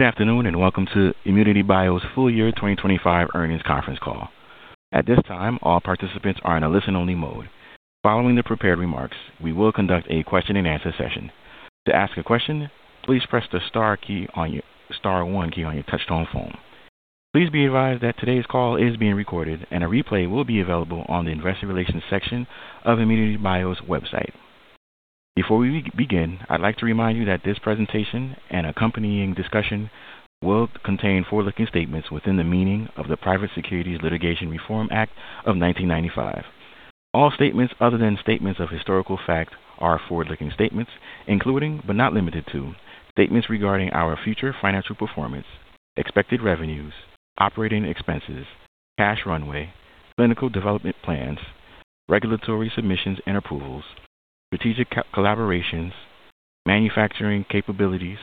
Good afternoon, and welcome to ImmunityBio's full year 2025 earnings conference call. At this time, all participants are in a listen-only mode. Following the prepared remarks, we will conduct a question-and-answer session. To ask a question, please press the star key on your star one key on your touchtone phone. Please be advised that today's call is being recorded and a replay will be available on the Investor Relations section of ImmunityBio's website. Before we begin, I'd like to remind you that this presentation and accompanying discussion will contain forward-looking statements within the meaning of the Private Securities Litigation Reform Act of 1995. All statements other than statements of historical fact are forward-looking statements, including but not limited to, statements regarding our future financial performance, expected revenues, operating expenses, cash runway, clinical development plans, regulatory submissions and approvals, strategic co-collaborations, manufacturing capabilities,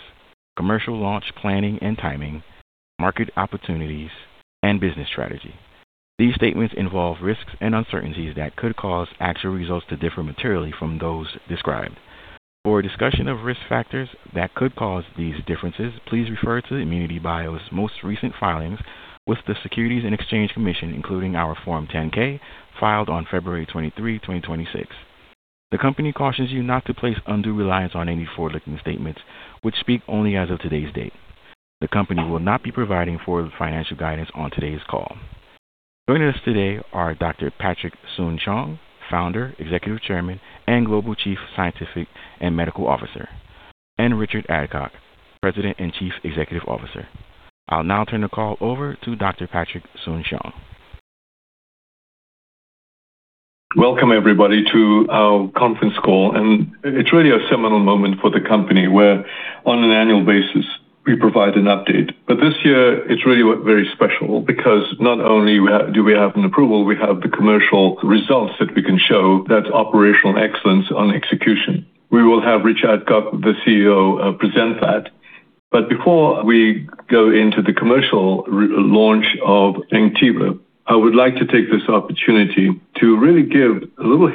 commercial launch planning and timing, market opportunities, and business strategy. These statements involve risks and uncertainties that could cause actual results to differ materially from those described. For a discussion of risk factors that could cause these differences, please refer to ImmunityBio's most recent filings with the Securities and Exchange Commission, including our Form 10-K filed on February 23, 2026. The company cautions you not to place undue reliance on any forward-looking statements which speak only as of today's date. The company will not be providing forward financial guidance on today's call. Joining us today are Dr. Patrick Soon-Shiong, Founder, Executive Chairman, and Global Chief Scientific and Medical Officer, and Richard Adcock, President and Chief Executive Officer. I'll now turn the call over to Dr. Patrick Soon-Shiong. Welcome everybody to our conference call. It's really a seminal moment for the company where on an annual basis we provide an update. This year it's really very special because not only do we have an approval, we have the commercial results that we can show that's operational excellence on execution. We will have Rich Adcock, the CEO, present that. Before we go into the commercial launch of Anktiva, I would like to take this opportunity to really give a little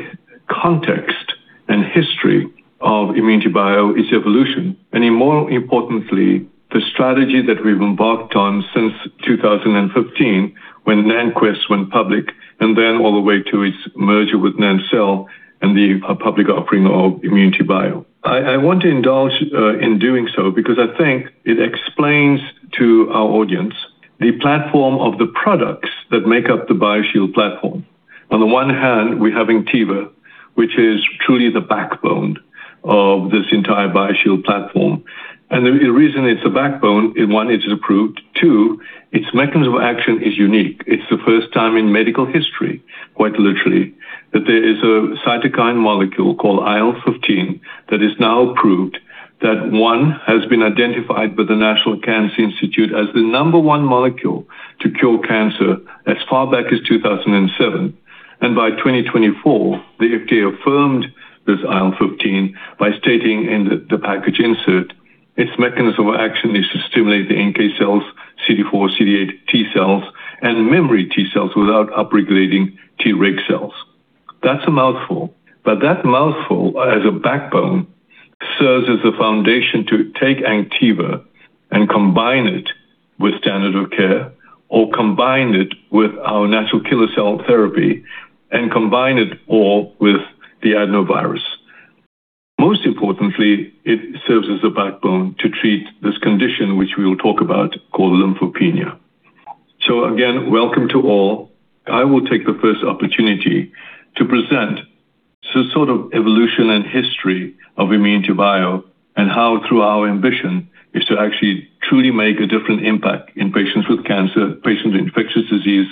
context and history of ImmunityBio, its evolution, and more importantly, the strategy that we've embarked on since 2015 when NantKwest went public, and then all the way to its merger with NantCell and the public offering of ImmunityBio. I want to indulge in doing so because I think it explains to our audience the platform of the products that make up the BioShield platform. On the one hand, we have Anktiva, which is truly the backbone of this entire BioShield platform. The reason it's a backbone is, one, it is approved. Two, its mechanism of action is unique. It's the first time in medical history, quite literally, that there is a cytokine molecule called IL-15 that is now approved, that, one, has been identified by the National Cancer Institute as the number one molecule to cure cancer as far back as 2007. By 2024, the FDA affirmed this IL-15 by stating in the package insert, its mechanism of action is to stimulate the NK cells, CD4/CD8 T cells, and memory T cells without upregulating Treg cells. That's a mouthful, but that mouthful as a backbone serves as the foundation to take Anktiva and combine it with standard of care or combine it with our natural killer cell therapy and combine it all with the adenovirus. Most importantly, it serves as a backbone to treat this condition, which we will talk about, called lymphopenia. Again, welcome to all. I will take the first opportunity to present the sort of evolution and history of ImmunityBio and how through our ambition is to actually truly make a different impact in patients with cancer, patients with infectious disease,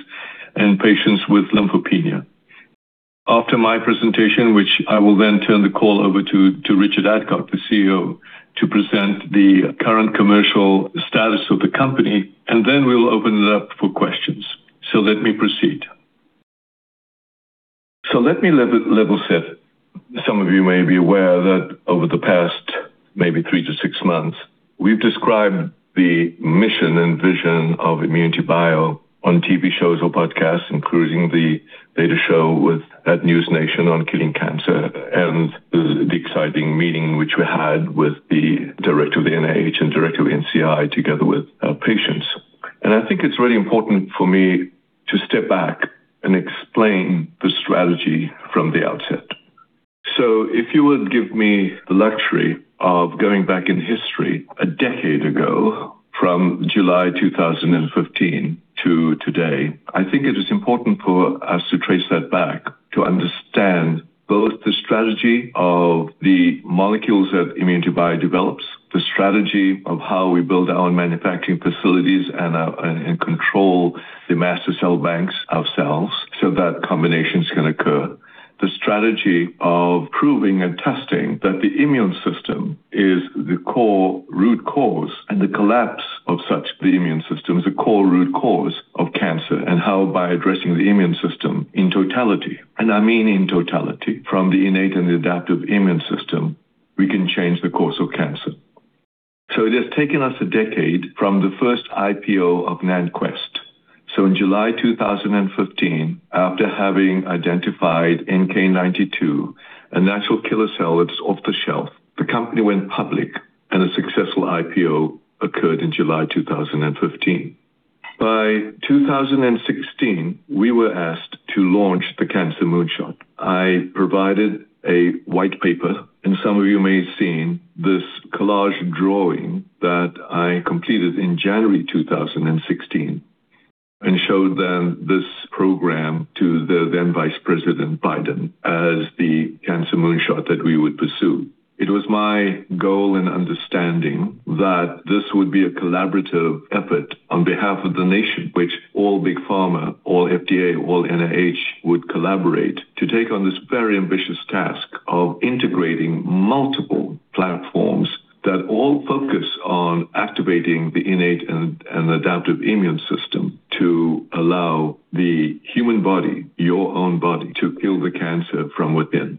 and patients with lymphopenia. After my presentation, which I will then turn the call over to Richard Adcock, the CEO, to present the current commercial status of the company. Then we'll open it up for questions. Let me proceed. Let me level set. Some of you may be aware that over the past maybe 3 to 6 months, we've described the mission and vision of ImmunityBio on TV shows or podcasts, including the data show with at NewsNation on killing cancer and the exciting meeting which we had with the Director of the NIH and Director of NCI together with our patients. I think it's really important for me to step back and explain the strategy from the outset. If you would give me the luxury of going back in history a decade ago from July 2015 to today, I think it is important for us to trace that back to understand both the strategy of the molecules that ImmunityBio develops, the strategy of how we build our own manufacturing facilities and control the master cell banks ourselves so that combinations can occur. The strategy of proving and testing that the immune system is the core root cause, and the collapse of such, the immune system, is a core root cause of cancer, and how by addressing the immune system in totality, and I mean in totality from the innate and the adaptive immune system, we can change the course of cancer. It has taken us a decade from the first IPO of NantKwest in July 2015, after having identified NK-92, a natural killer cell that's off the shelf, the company went public, and a successful IPO occurred in July 2015. By 2016, we were asked to launch the Cancer Moonshot. I provided a white paper, some of you may have seen this collage drawing that I completed in January 2016 and showed them this program to the then Vice President Biden as the Cancer Moonshot that we would pursue. It was my goal and understanding that this would be a collaborative effort on behalf of the nation, which all big pharma, all FDA, all NIH would collaborate to take on this very ambitious task of integrating multiple platforms that all focus on activating the innate and adaptive immune system to allow the human body, your own body, to kill the cancer from within.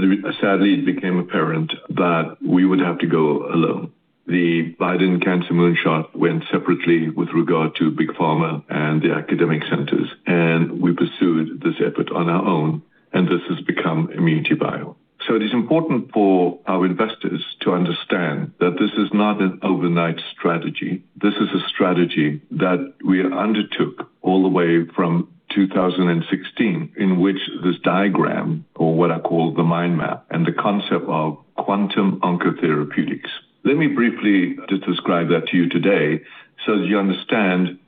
It sadly became apparent that we would have to go alone. The Biden Cancer Moonshot went separately with regard to big pharma and the academic centers, and we pursued this effort on our own, and this has become ImmunityBio. It is important for our investors to understand that this is not an overnight strategy. This is a strategy that we undertook all the way from 2016, in which this diagram or what I call the mind map and the concept of Quantum Oncotherapeutics. Let me briefly just describe that to you today so that you understand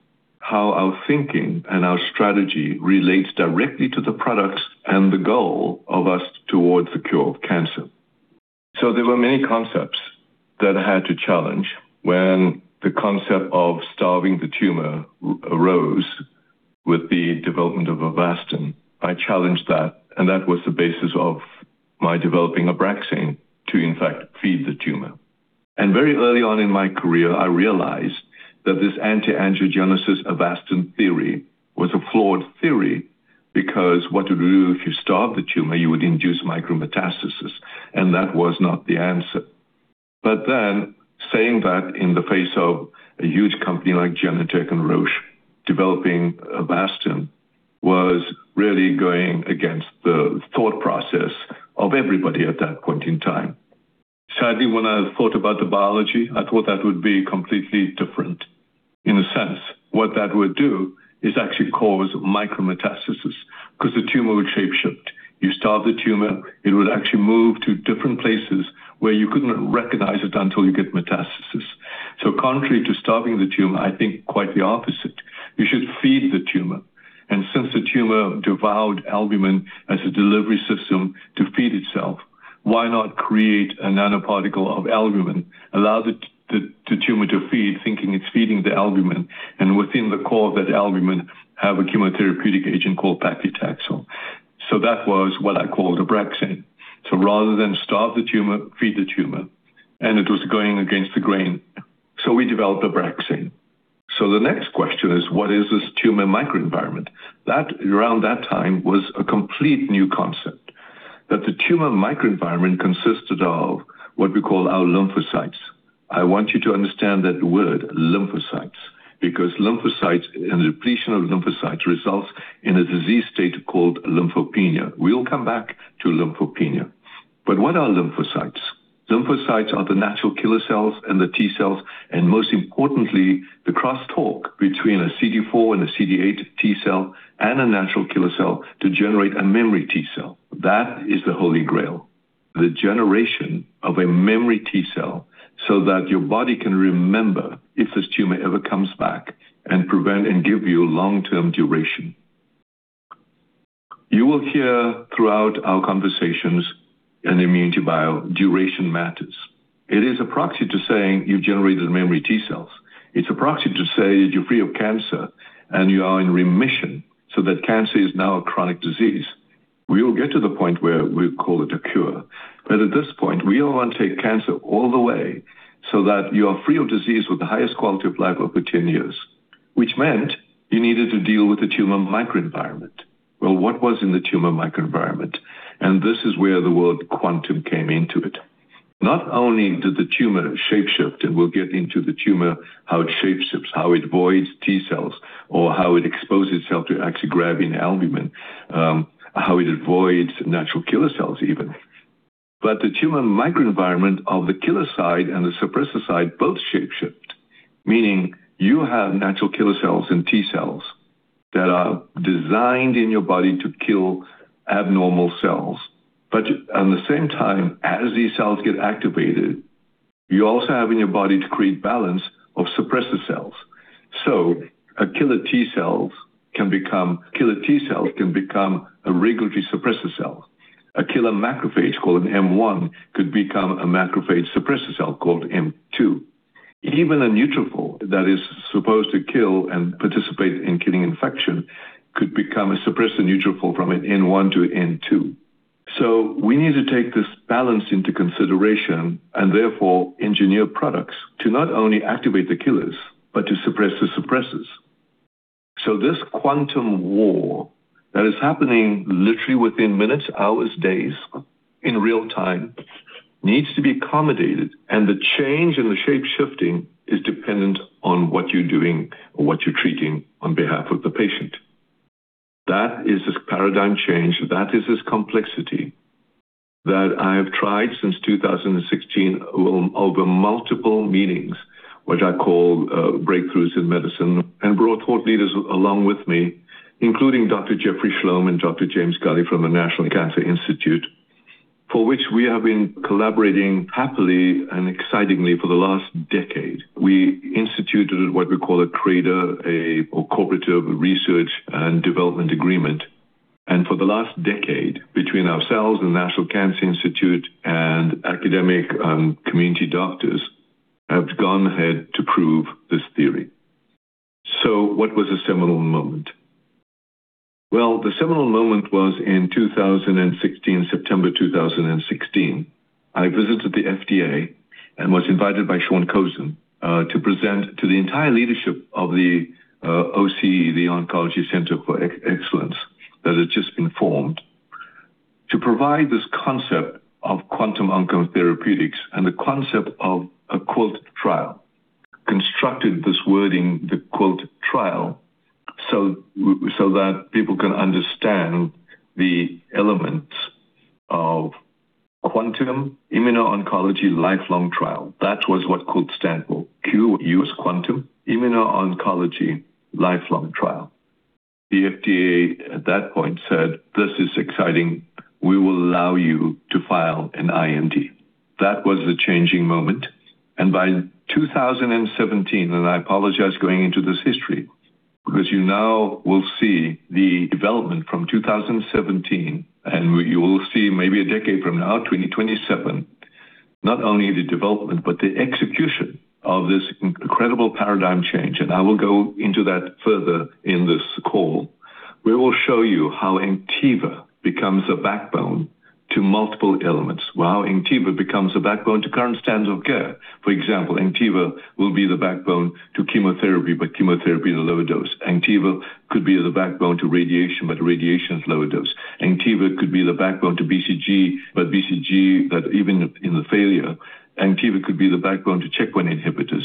how our thinking and our strategy relates directly to the products and the goal of us towards the cure of cancer. There were many concepts that I had to challenge when the concept of starving the tumor arose with the development of Avastin. I challenged that, and that was the basis of my developing Abraxane to, in fact, feed the tumor. Very early on in my career, I realized that this anti-angiogenesis Avastin theory was a flawed theory because what it'll do if you starve the tumor, you would induce micrometastasis, and that was not the answer. Saying that in the face of a huge company like Genentech and Roche developing Avastin was really going against the thought process of everybody at that point in time. Sadly, when I thought about the biology, I thought that would be completely different. In a sense, what that would do is actually cause micrometastasis because the tumor would shape-shift. You starve the tumor, it would actually move to different places where you couldn't recognize it until you get metastasis. Contrary to starving the tumor, I think quite the opposite. You should feed the tumor. Since the tumor devoured albumin as a delivery system to feed itself, why not create a nanoparticle of albumin, allow the tumor to feed, thinking it's feeding the albumin, and within the core of that albumin, have a chemotherapeutic agent called paclitaxel. That was what I called Abraxane. Rather than starve the tumor, feed the tumor, and it was going against the grain. We developed Abraxane. The next question is: what is this tumor microenvironment? That, around that time, was a complete new concept, that the tumor microenvironment consisted of what we call our lymphocytes. I want you to understand that word, lymphocytes, because lymphocytes and depletion of lymphocytes results in a disease state called lymphopenia. We'll come back to lymphopenia. What are lymphocytes? Lymphocytes are the natural killer cells and the T cells, and most importantly, the crosstalk between a CD4 and a CD8 T cell and a natural killer cell to generate a memory T cell. That is the holy grail, the generation of a memory T cell so that your body can remember if this tumor ever comes back and prevent and give you long-term duration. You will hear throughout our conversations in ImmunityBio, duration matters. It is a proxy to saying you've generated memory T cells. It's a proxy to say you're free of cancer and you are in remission so that cancer is now a chronic disease. We will get to the point where we call it a cure. At this point, we all want to take cancer all the way so that you are free of disease with the highest quality of life over 10 years, which meant you needed to deal with the tumor microenvironment. Well, what was in the tumor microenvironment? This is where the word quantum came into it. Not only did the tumor shape-shift, and we'll get into the tumor, how it shape-shifts, how it voids T cells, or how it exposes itself to actually grabbing albumin, how it avoids natural killer cells even. The tumor microenvironment of the killer side and the suppressor side both shape-shifted. Meaning, you have natural killer cells and T-cells that are designed in your body to kill abnormal cells. At the same time, as these cells get activated, you also have in your body to create balance of suppressor cells. A killer T-cell can become a regulatory suppressor cell. A killer macrophage called an M1 could become a macrophage suppressor cell called M2. Even a neutrophil that is supposed to kill and participate in killing infection could become a suppressor neutrophil from an N1 to N2. We need to take this balance into consideration and therefore engineer products to not only activate the killers but to suppress the suppressors. This quantum war that is happening literally within minutes, hours, days in real-time needs to be accommodated, and the change in the shape-shifting is dependent on what you're doing or what you're treating on behalf of the patient. That is this paradigm change. That is this complexity that I have tried since 2016 over multiple meetings, which I call breakthroughs in medicine, and brought thought leaders along with me, including Dr. Jeffrey Schlom and Dr. James Gulley from the National Cancer Institute, for which we have been collaborating happily and excitingly for the last decade. We instituted what we call a CRADA, a Cooperative Research and Development Agreement. For the last decade, between ourselves and National Cancer Institute and academic, community doctors, have gone ahead to prove this theory. What was the seminal moment? Well, the seminal moment was in 2016. September 2016. I visited the FDA and was invited by Sean Khozin to present to the entire leadership of the OCE, the Oncology Center for Excellence, that had just been formed, to provide this concept of Quantum Oncotherapeutics and the concept of a QUILT trial. Constructed this wording, the QUILT trial, so that people can understand the elements of a QUantum Immuno-oncology Lifelong Trial. That was what QUILT stand for. QU quantum, Immuno-Oncology Lifelong Trial. The FDA at that point said, "This is exciting. We will allow you to file an IND." That was the changing moment. By 2017, and I apologize going into this history because you now will see the development from 2017, and you will see maybe a decade from now, 2027, not only the development, but the execution of this incredible paradigm change. I will go into that further in this call. We will show you how Anktiva becomes a backbone to multiple elements. Well, how Anktiva becomes a backbone to current standards of care. For example, Anktiva will be the backbone to chemotherapy, but chemotherapy at a lower dose. Anktiva could be the backbone to radiation, but radiation at a lower dose. Anktiva could be the backbone to BCG, but BCG that even in the failure. Anktiva could be the backbone to checkpoint inhibitors.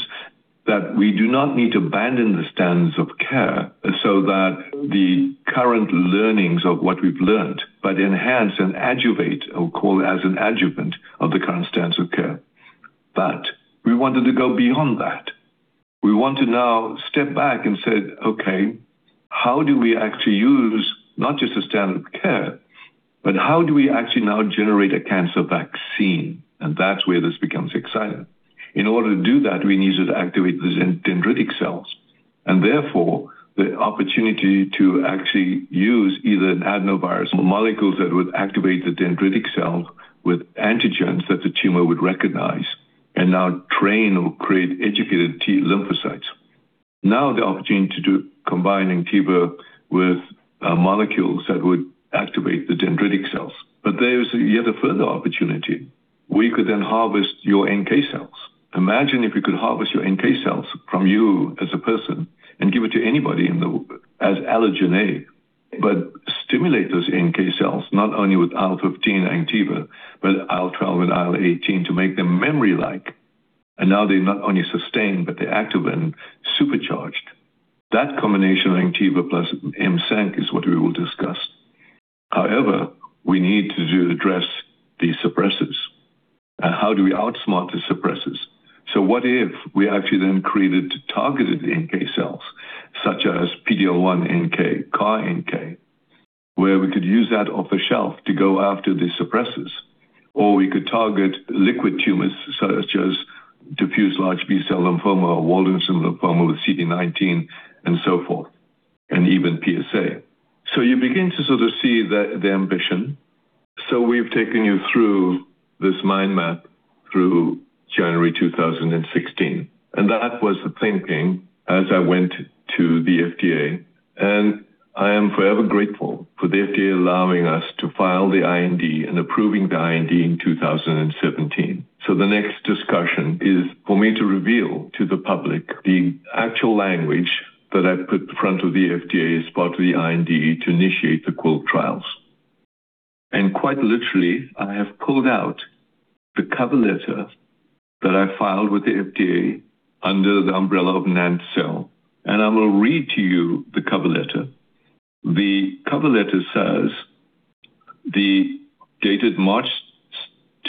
We do not need to abandon the standards of care so that the current learnings of what we've learned, but enhance and adjuvate or call as an adjuvant of the current standards of care. We wanted to go beyond that. We want to now step back and say, "Okay, how do we actually use not just a standard of care, but how do we actually now generate a cancer vaccine?" That's where this becomes exciting. In order to do that, we needed to activate the dendritic cells, and therefore, the opportunity to actually use either an adenovirus or molecules that would activate the dendritic cell with antigens that the tumor would recognize and now train or create educated T lymphocytes. Now, the opportunity to do combining Anktiva with molecules that would activate the dendritic cells. There's yet a further opportunity. We could then harvest your NK cells. Imagine if we could harvest your NK cells from you as a person and give it to anybody in the world as allogeneic, but stimulate those NK cells not only with IL-15 Anktiva, but IL-12 and IL-18 to make them memory-like. Now they're not only sustained, but they're active and supercharged. That combination of Anktiva plus M-ceNK is what we will discuss. However, we need to address the suppressors. How do we outsmart the suppressors? What if we actually then created targeted NK cells such as PD-L1 NK, CAR-NK, where we could use that off the shelf to go after the suppressors? We could target liquid tumors such as diffuse large B-cell lymphoma or Waldenström's lymphoma with CD19 and so forth, and even PSA. You begin to sort of see the ambition. We've taken you through this mind map through January 2016, and that was the thinking as I went to the FDA. I am forever grateful for the FDA allowing us to file the IND and approving the IND in 2017. The next discussion is for me to reveal to the public the actual language that I put in front of the FDA as part of the IND to initiate the QUILT trials. Quite literally, I have pulled out the cover letter that I filed with the FDA under the umbrella of NantCell, and I will read to you the cover letter. The cover letter says, the dated March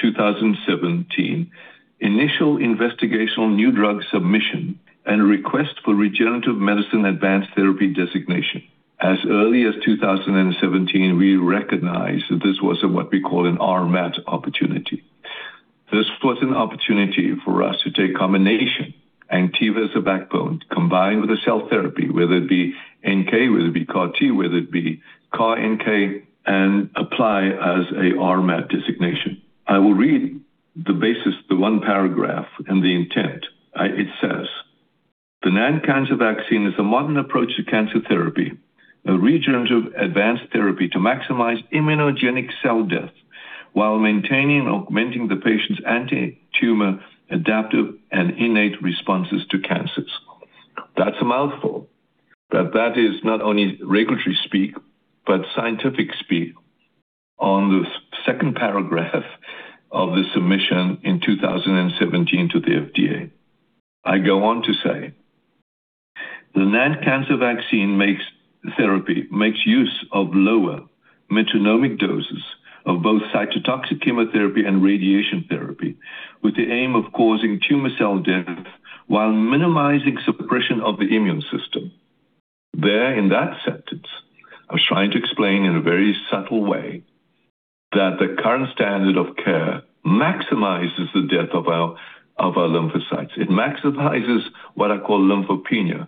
2017, Initial Investigational New Drug Submission and Request for Regenerative Medicine Advanced Therapy Designation. As early as 2017, we recognized that this was what we call an RMAT opportunity. This was an opportunity for us to take combination Anktiva as a backbone, combined with a cell therapy, whether it be NK, whether it be CAR T, whether it be CAR-NK, apply as a RMAT designation. I will read the basis, the one paragraph and the intent. It says, "The NANT Cancer Vaccine is a modern approach to cancer therapy, a regenerative advanced therapy to maximize immunogenic cell death."While maintaining and augmenting the patient's anti-tumor adaptive and innate responses to cancers. That's a mouthful, but that is not only regulatory speak, but scientific speak. The second paragraph of the submission in 2017 to the FDA, I go on to say, "The NANT Cancer Vaccine makes therapy, makes use of lower metronomic doses of both cytotoxic chemotherapy and radiation therapy, with the aim of causing tumor cell death while minimizing suppression of the immune system." There in that sentence, I was trying to explain in a very subtle way that the current standard of care maximizes the death of our lymphocytes. It maximizes what I call lymphopenia.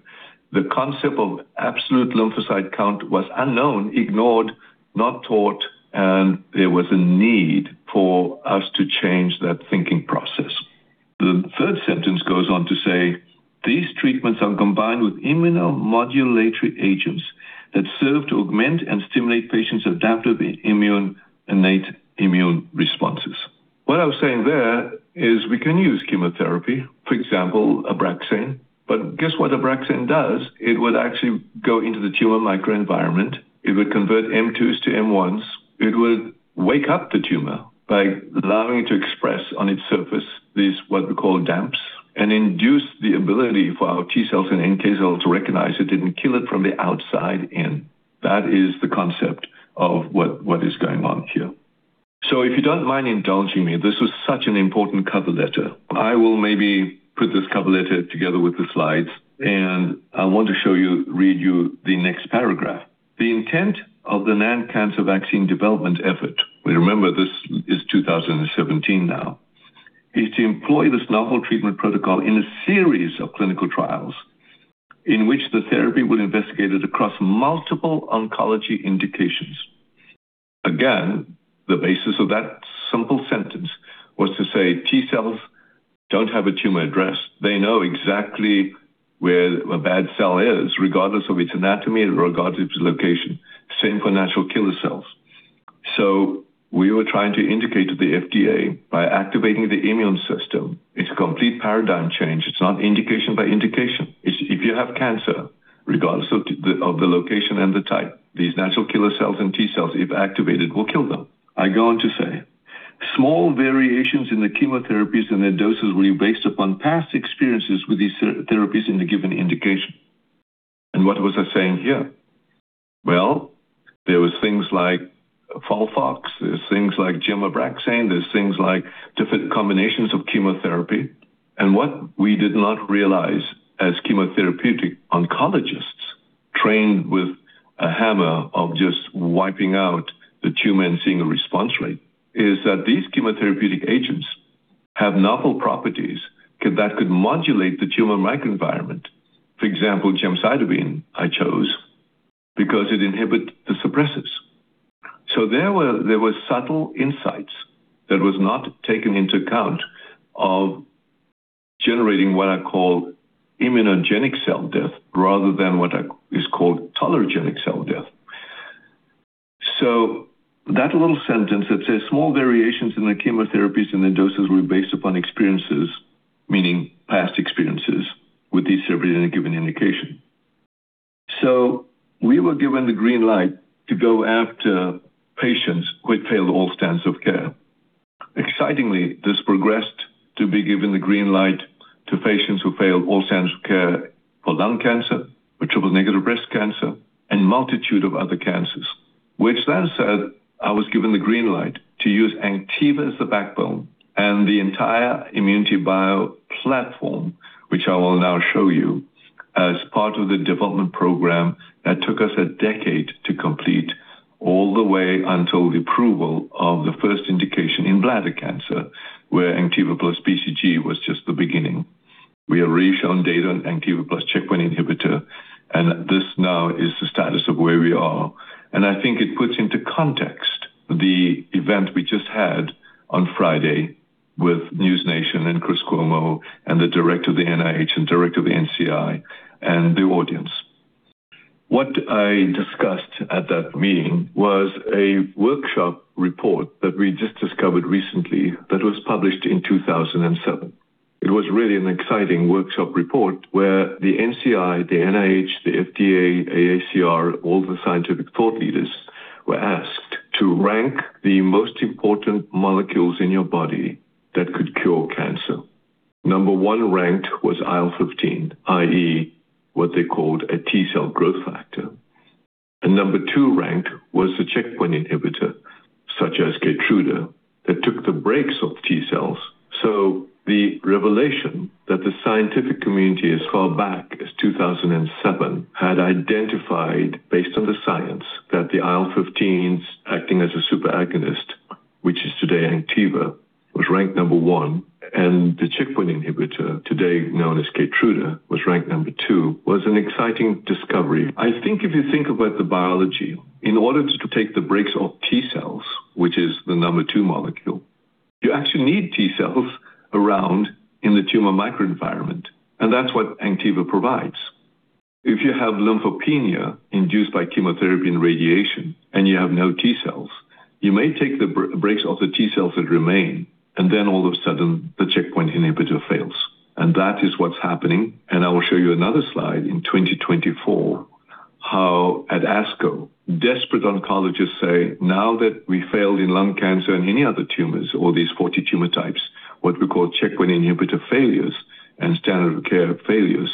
The concept of absolute lymphocyte count was unknown, ignored, not taught, and there was a need for us to change that thinking process. The third sentence goes on to say, "These treatments are combined with immunomodulatory agents that serve to augment and stimulate patients' adaptive immune, innate immune responses." What I was saying there is we can use chemotherapy, for example, Abraxane. Guess what Abraxane does? It would actually go into the tumor microenvironment. It would convert M2s to M1s. It would wake up the tumor by allowing it to express on its surface these, what we call DAMPs, and induce the ability for our T cells and NK cells to recognize it and kill it from the outside in. That is the concept of what is going on here. If you don't mind indulging me, this was such an important cover letter. I will maybe put this cover letter together with the slides, and I want to show you, read you the next paragraph. The intent of the NANT Cancer Vaccine development effort," we remember this is 2017 now, "is to employ this novel treatment protocol in a series of clinical trials in which the therapy was investigated across multiple oncology indications." Again, the basis of that simple sentence was to say T cells don't have a tumor address. They know exactly where a bad cell is, regardless of its anatomy and regardless of its location. Same for natural killer cells. We were trying to indicate to the FDA by activating the immune system, it's a complete paradigm change. It's not indication by indication. If you have cancer, regardless of the location and the type, these natural killer cells and T cells, if activated, will kill them. I go on to say, "Small variations in the chemotherapies and their doses will be based upon past experiences with these therapies in the given indication." What was I saying here? Well, there were things like FOLFOX, there's things like Gem Abraxane, there's things like different combinations of chemotherapy. What we did not realize as chemotherapeutic oncologists trained with a hammer of just wiping out the tumor and seeing a response rate, is that these chemotherapeutic agents have novel properties that could modulate the tumor microenvironment. For example, gemcitabine I chose because it inhibits the suppressors. There were subtle insights that was not taken into account of generating what I call immunogenic cell death rather than what is called tolerogenic cell death. That little sentence that says, "Small variations in the chemotherapies and the doses were based upon experiences," meaning past experiences, "with these therapies in a given indication." We were given the green light to go after patients who had failed all standards of care. Excitingly, this progressed to be given the green light to patients who failed all standards of care for lung cancer, for triple-negative breast cancer, and multitude of other cancers. That said, I was given the green light to use Anktiva as the backbone and the entire ImmunityBio platform, which I will now show you, as part of the development program that took us a decade to complete all the way until the approval of the first indication in bladder cancer, where Anktiva plus BCG was just the beginning. We have already shown data on Anktiva plus checkpoint inhibitor. This now is the status of where we are. I think it puts into context the event we just had on Friday with NewsNation and Chris Cuomo and the Director of the NIH and Director of the NCI and the audience. What I discussed at that meeting was a workshop report that we just discovered recently that was published in 2007. It was really an exciting workshop report where the NCI, the NIH, the FDA, AACR, all the scientific thought leaders were asked to rank the most important molecules in your body that could cure cancer. Number 1 ranked was IL-15, i.e., what they called a T cell growth factor. Number 2 ranked was the checkpoint inhibitor, such as Keytruda, that took the brakes off T cells. The revelation that the scientific community as far back as 2007 had identified based on the science that the IL-15 acting as a superagonist, which is today Anktiva, was ranked number 1, and the checkpoint inhibitor, today known as Keytruda, was ranked number 2, was an exciting discovery. I think if you think about the biology, in order to take the brakes off T cells, which is the number 2 molecule, you actually need T cells around in the tumor microenvironment, and that's what Anktiva provides. If you have lymphopenia induced by chemotherapy and radiation, and you have no T cells, you may take the brakes off the T cells that remain, all of a sudden, the checkpoint inhibitor fails. That is what's happening. I will show you another slide in 2024, how at ASCO, desperate oncologists say, "Now that we failed in lung cancer and many other tumors or these 40 tumor types, what we call checkpoint inhibitor failures and standard of care failures,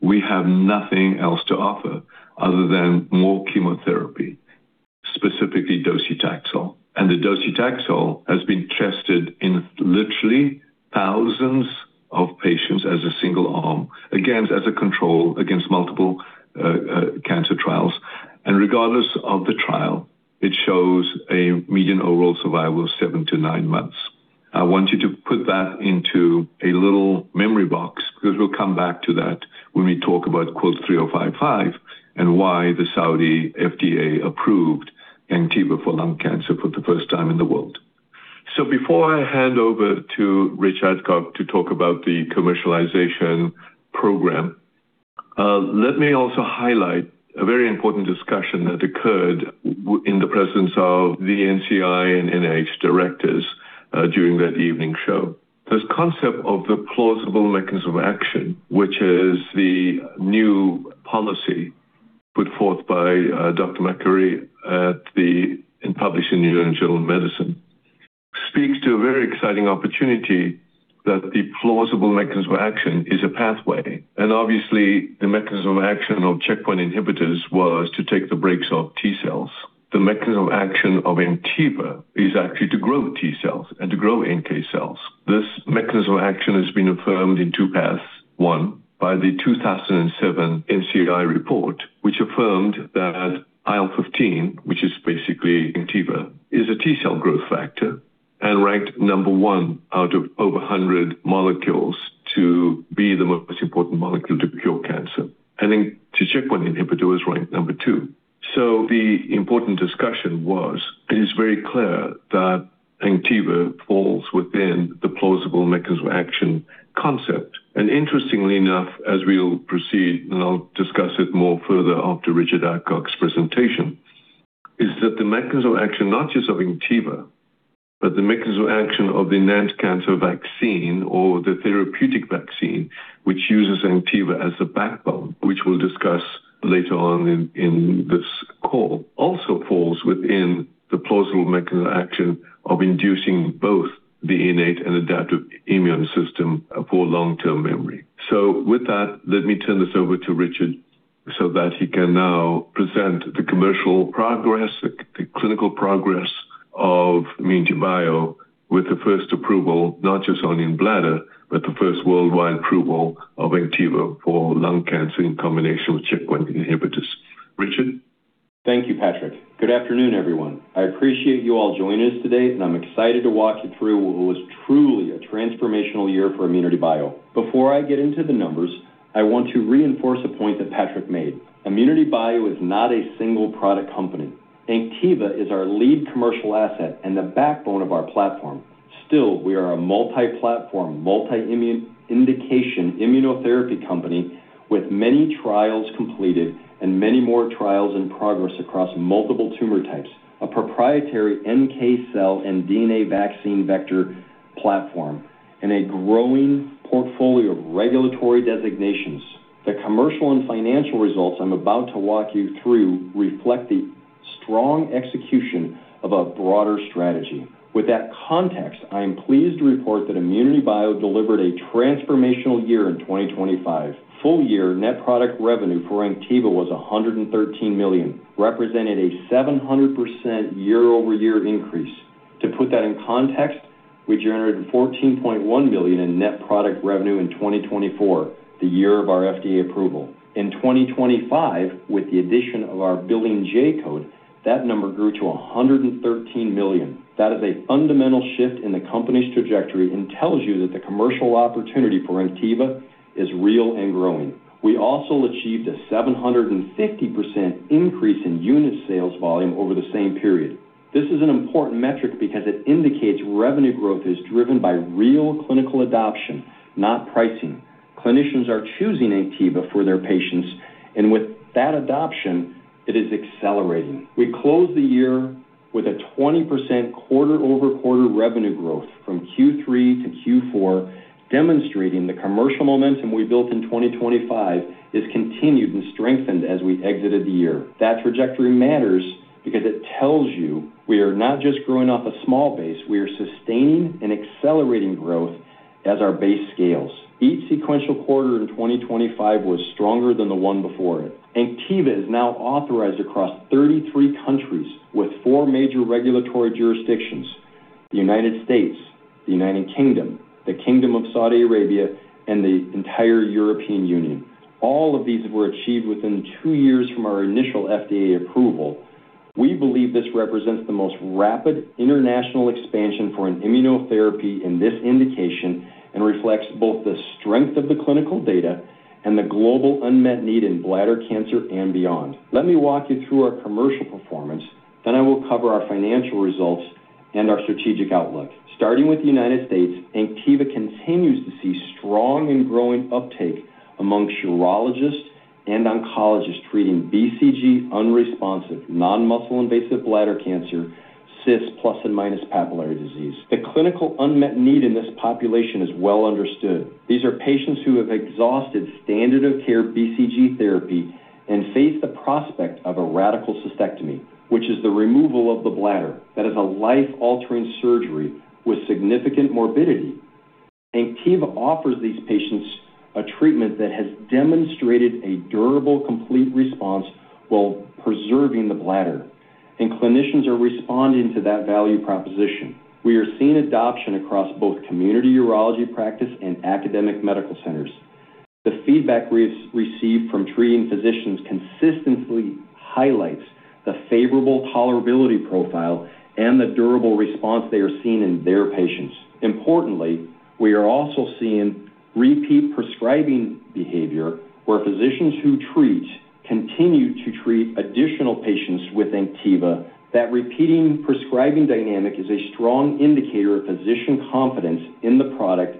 we have nothing else to offer other than more chemotherapy, specifically docetaxel." The docetaxel has been tested in literally thousands of patients as a single arm, again, as a control against multiple cancer trials. Regardless of the trial, it shows a median overall survival of 7-9 months. I want you to put that into a little memory box because we'll come back to that when we talk about QUILT 3.055 and why the Saudi FDA approved Anktiva for lung cancer for the first time in the world. Before I hand over to Rich Adcock to talk about the commercialization program, let me also highlight a very important discussion that occurred in the presence of the NCI and NIH directors during that evening show. This concept of the plausible mechanism of action, which is the new policy put forth by Dr. McCurry in publishing New England Journal of Medicine, speaks to a very exciting opportunity that the plausible mechanism of action is a pathway. Obviously, the mechanism of action of checkpoint inhibitors was to take the brakes off T cells. The mechanism of action of Anktiva is actually to grow T cells and to grow NK cells. This mechanism of action has been affirmed in two paths. One, by the 2007 NCI report, which affirmed that IL-15, which is basically Anktiva, is a T cell growth factor and ranked number one out of over 100 molecules to be the most important molecule to cure cancer. To checkpoint inhibitor was ranked number two. The important discussion was, it is very clear that Anktiva falls within the plausible mechanism of action concept. Interestingly enough, as we'll proceed, and I'll discuss it more further after Richard Adcock's presentation, is that the mechanism of action, not just of Anktiva, but the mechanism of action of the NANT Cancer Vaccine or the therapeutic vaccine, which uses Anktiva as a backbone, which we'll discuss later on in this call, also falls within the plausible mechanism of action of inducing both the innate and adaptive immune system for long-term memory. With that, let me turn this over to Richard so that he can now present the commercial progress, the clinical progress of ImmunityBio with the first approval, not just only in bladder, but the first worldwide approval of Anktiva for lung cancer in combination with checkpoint inhibitors. Richard. Thank you, Patrick. Good afternoon, everyone. I appreciate you all joining us today. I'm excited to walk you through what was truly a transformational year for ImmunityBio. Before I get into the numbers, I want to reinforce a point that Patrick made. ImmunityBio is not a single product company. Anktiva is our lead commercial asset and the backbone of our platform. Still, we are a multi-platform, multi-immune indication immunotherapy company with many trials completed and many more trials in progress across multiple tumor types, a proprietary NK cell and DNA vaccine vector platform, and a growing portfolio of regulatory designations. The commercial and financial results I'm about to walk you through reflect the strong execution of our broader strategy. With that context, I am pleased to report that ImmunityBio delivered a transformational year in 2025. Full year net product revenue for Anktiva was $113 million, representing a 700% year-over-year increase. To put that in context, we generated $14.1 million in net product revenue in 2024, the year of our FDA approval. In 2025, with the addition of our billing J-code, that number grew to $113 million. That is a fundamental shift in the company's trajectory and tells you that the commercial opportunity for Anktiva is real and growing. We also achieved a 750% increase in unit sales volume over the same period. This is an important metric because it indicates revenue growth is driven by real clinical adoption, not pricing. Clinicians are choosing Anktiva for their patients, and with that adoption, it is accelerating. We closed the year with a 20% quarter-over-quarter revenue growth from Q3 to Q4, demonstrating the commercial momentum we built in 2025 is continued and strengthened as we exited the year. That trajectory matters because it tells you we are not just growing off a small base, we are sustaining and accelerating growth as our base scales. Each sequential quarter in 2025 was stronger than the one before it. Anktiva is now authorized across 33 countries with four major regulatory jurisdictions, the United States, the United Kingdom, the Kingdom of Saudi Arabia, and the entire European Union. All of these were achieved within two years from our initial FDA approval. We believe this represents the most rapid international expansion for an immunotherapy in this indication and reflects both the strength of the clinical data and the global unmet need in bladder cancer and beyond. Let me walk you through our commercial performance, then I will cover our financial results and our strategic outlook. Starting with the United States, Anktiva continues to see strong and growing uptake among urologists and oncologists treating BCG-unresponsive non-muscle invasive bladder cancer CIS plus and minus papillary disease. The clinical unmet need in this population is well understood. These are patients who have exhausted standard of care BCG therapy and face the prospect of a radical cystectomy, which is the removal of the bladder. That is a life-altering surgery with significant morbidity. Anktiva offers these patients a treatment that has demonstrated a durable, complete response while preserving the bladder, and clinicians are responding to that value proposition. We are seeing adoption across both community urology practice and academic medical centers. The feedback we've received from treating physicians consistently highlights the favorable tolerability profile and the durable response they are seeing in their patients. We are also seeing repeat prescribing behavior where physicians who treat continue to treat additional patients with Anktiva. That repeating prescribing dynamic is a strong indicator of physician confidence in the product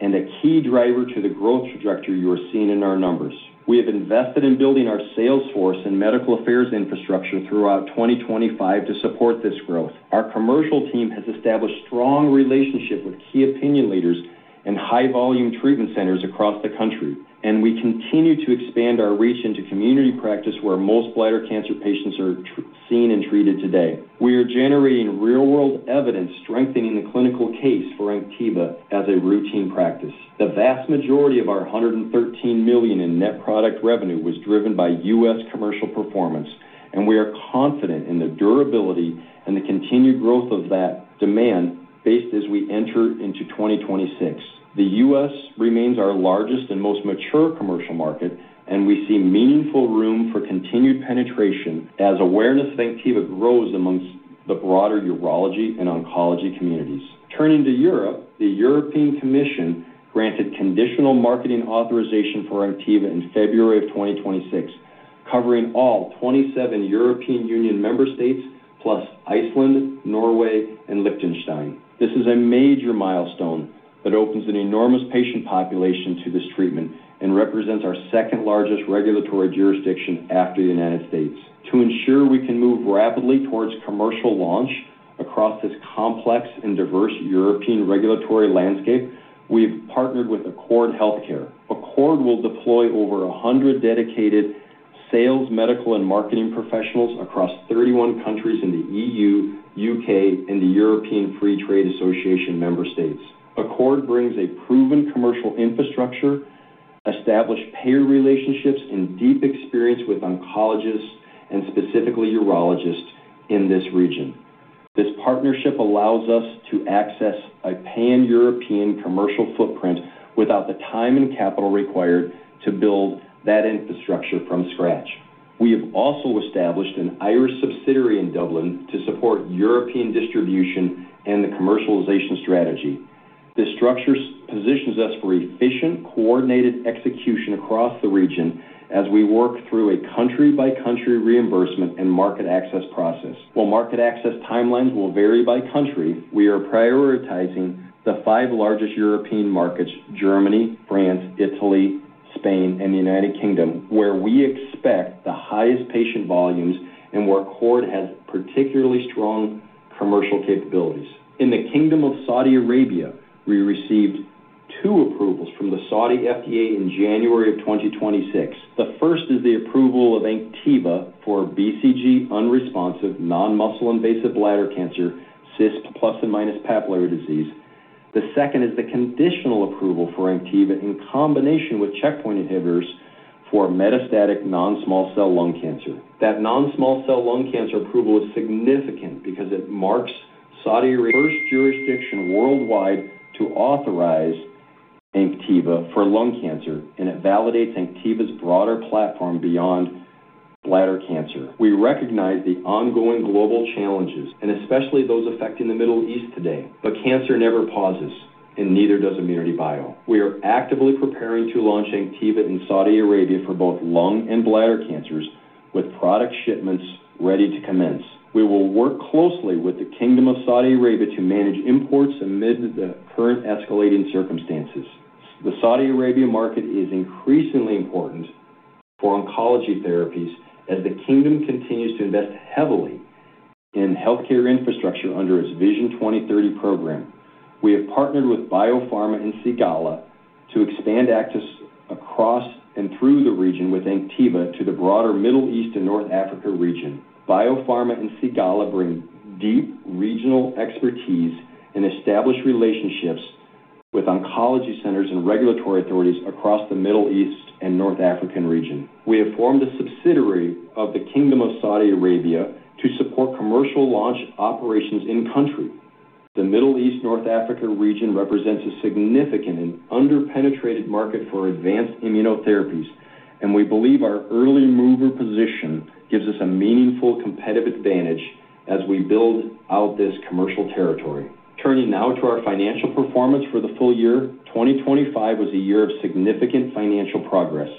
and a key driver to the growth trajectory you are seeing in our numbers. We have invested in building our sales force and medical affairs infrastructure throughout 2025 to support this growth. Our commercial team has established strong relationships with key opinion leaders in high-volume treatment centers across the country. We continue to expand our reach into community practice where most bladder cancer patients are seen and treated today. We are generating real-world evidence strengthening the clinical case for Anktiva as a routine practice. The vast majority of our $113 million in net product revenue was driven by U.S. commercial performance. We are confident in the durability and the continued growth of that demand based as we enter into 2026. The U.S. remains our largest and most mature commercial market. We see meaningful room for continued penetration as awareness of Anktiva grows amongst the broader urology and oncology communities. Turning to Europe, the European Commission granted conditional marketing authorization for Anktiva in February of 2026, covering all 27 European Union member states plus Iceland, Norway, and Liechtenstein. This is a major milestone that opens an enormous patient population to this treatment and represents our second-largest regulatory jurisdiction after the United States. To ensure we can move rapidly towards commercial launch across this complex and diverse European regulatory landscape, we've partnered with Accord Healthcare. Accord will deploy over 100 dedicated sales, medical, and marketing professionals across 31 countries in the EU, U.K., and the European Free Trade Association member states. Accord brings a proven commercial infrastructure, established payer relationships, and deep experience with oncologists and specifically urologists in this region. This partnership allows us to access a pan-European commercial footprint without the time and capital required to build that infrastructure from scratch. We have also established an Irish subsidiary in Dublin to support European distribution and the commercialization strategy. This structure positions us for efficient, coordinated execution across the region as we work through a country-by-country reimbursement and market access process. While market access timelines will vary by country, we are prioritizing the five largest European markets, Germany, France, Italy, Spain, and the United Kingdom, where we expect the highest patient volumes and where Accord has particularly strong commercial capabilities. In the Kingdom of Saudi Arabia, we received two approvals from the Saudi FDA in January of 2026. The first is the approval of Anktiva for BCG unresponsive non-muscle invasive bladder cancer CIS plus and minus papillary disease. The second is the conditional approval for Anktiva in combination with checkpoint inhibitors for metastatic non-small cell lung cancer. That non-small cell lung cancer approval is significant because it marks Saudi Arabia as the first jurisdiction worldwide to authorize Anktiva for lung cancer, and it validates Anktiva's broader platform beyond bladder cancer. We recognize the ongoing global challenges, and especially those affecting the Middle East today, but cancer never pauses, and neither does ImmunityBio. We are actively preparing to launch Anktiva in Saudi Arabia for both lung and bladder cancers with product shipments ready to commence. We will work closely with the Kingdom of Saudi Arabia to manage imports amid the current escalating circumstances. The Saudi Arabia market is increasingly important for oncology therapies as the kingdom continues to invest heavily in healthcare infrastructure under its Vision 2030 program. We have partnered with Biopharma and Cigalah to expand access across and through the region with Anktiva to the broader Middle East and North Africa region. Biopharma and Cigalah bring deep regional expertise and establish relationships with oncology centers and regulatory authorities across the Middle East and North African region. We have formed a subsidiary of the Kingdom of Saudi Arabia to support commercial launch operations in country. The Middle East-North Africa region represents a significant and under-penetrated market for advanced immunotherapies. We believe our early mover position gives us a meaningful competitive advantage as we build out this commercial territory. Turning now to our financial performance for the full year, 2025 was a year of significant financial progress.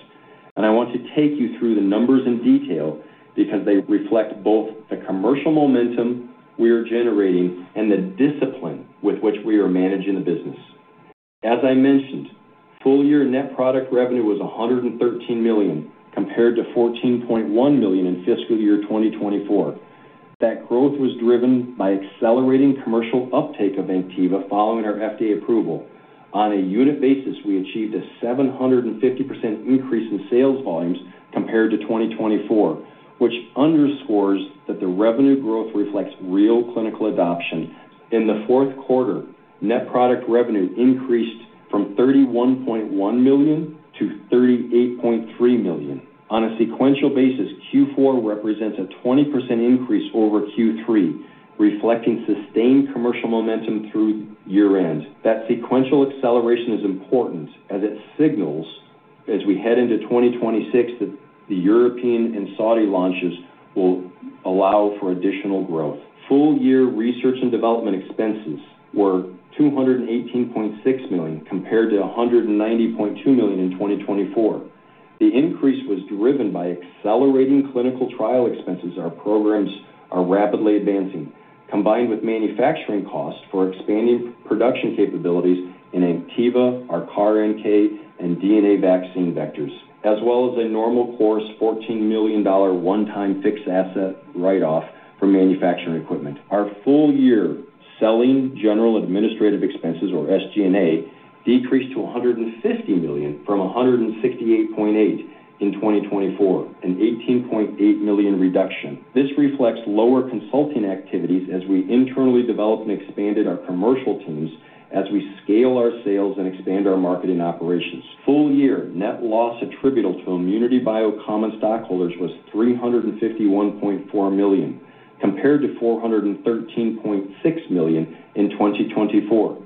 I want to take you through the numbers in detail because they reflect both the commercial momentum we are generating and the discipline with which we are managing the business. As I mentioned, full year net product revenue was $113 million compared to $14.1 million in fiscal year 2024. That growth was driven by accelerating commercial uptake of Anktiva following our FDA approval. On a unit basis, we achieved a 750% increase in sales volumes compared to 2024, which underscores that the revenue growth reflects real clinical adoption. In the fourth quarter, net product revenue increased from $31.1 million to $38.3 million. On a sequential basis, Q4 represents a 20% increase over Q3, reflecting sustained commercial momentum through year-end. That sequential acceleration is important as it signals, as we head into 2026, that the European and Saudi launches will allow for additional growth. Full year research and development expenses were $218.6 million compared to $190.2 million in 2024. The increase was driven by accelerating clinical trial expenses our programs are rapidly advancing, combined with manufacturing costs for expanding production capabilities in Anktiva, our CAR-NK, and DNA vaccine vectors, as well as a normal course $14 million one-time fixed asset write-off from manufacturing equipment. Our full year selling general administrative expenses, or SG&A, decreased to $150 million from $168.8 million in 2024, an $18.8 million reduction. This reflects lower consulting activities as we internally developed and expanded our commercial teams as we scale our sales and expand our marketing operations. Full year net loss attributable to ImmunityBio common stockholders was $351.4 million, compared to $413.6 million in 2024.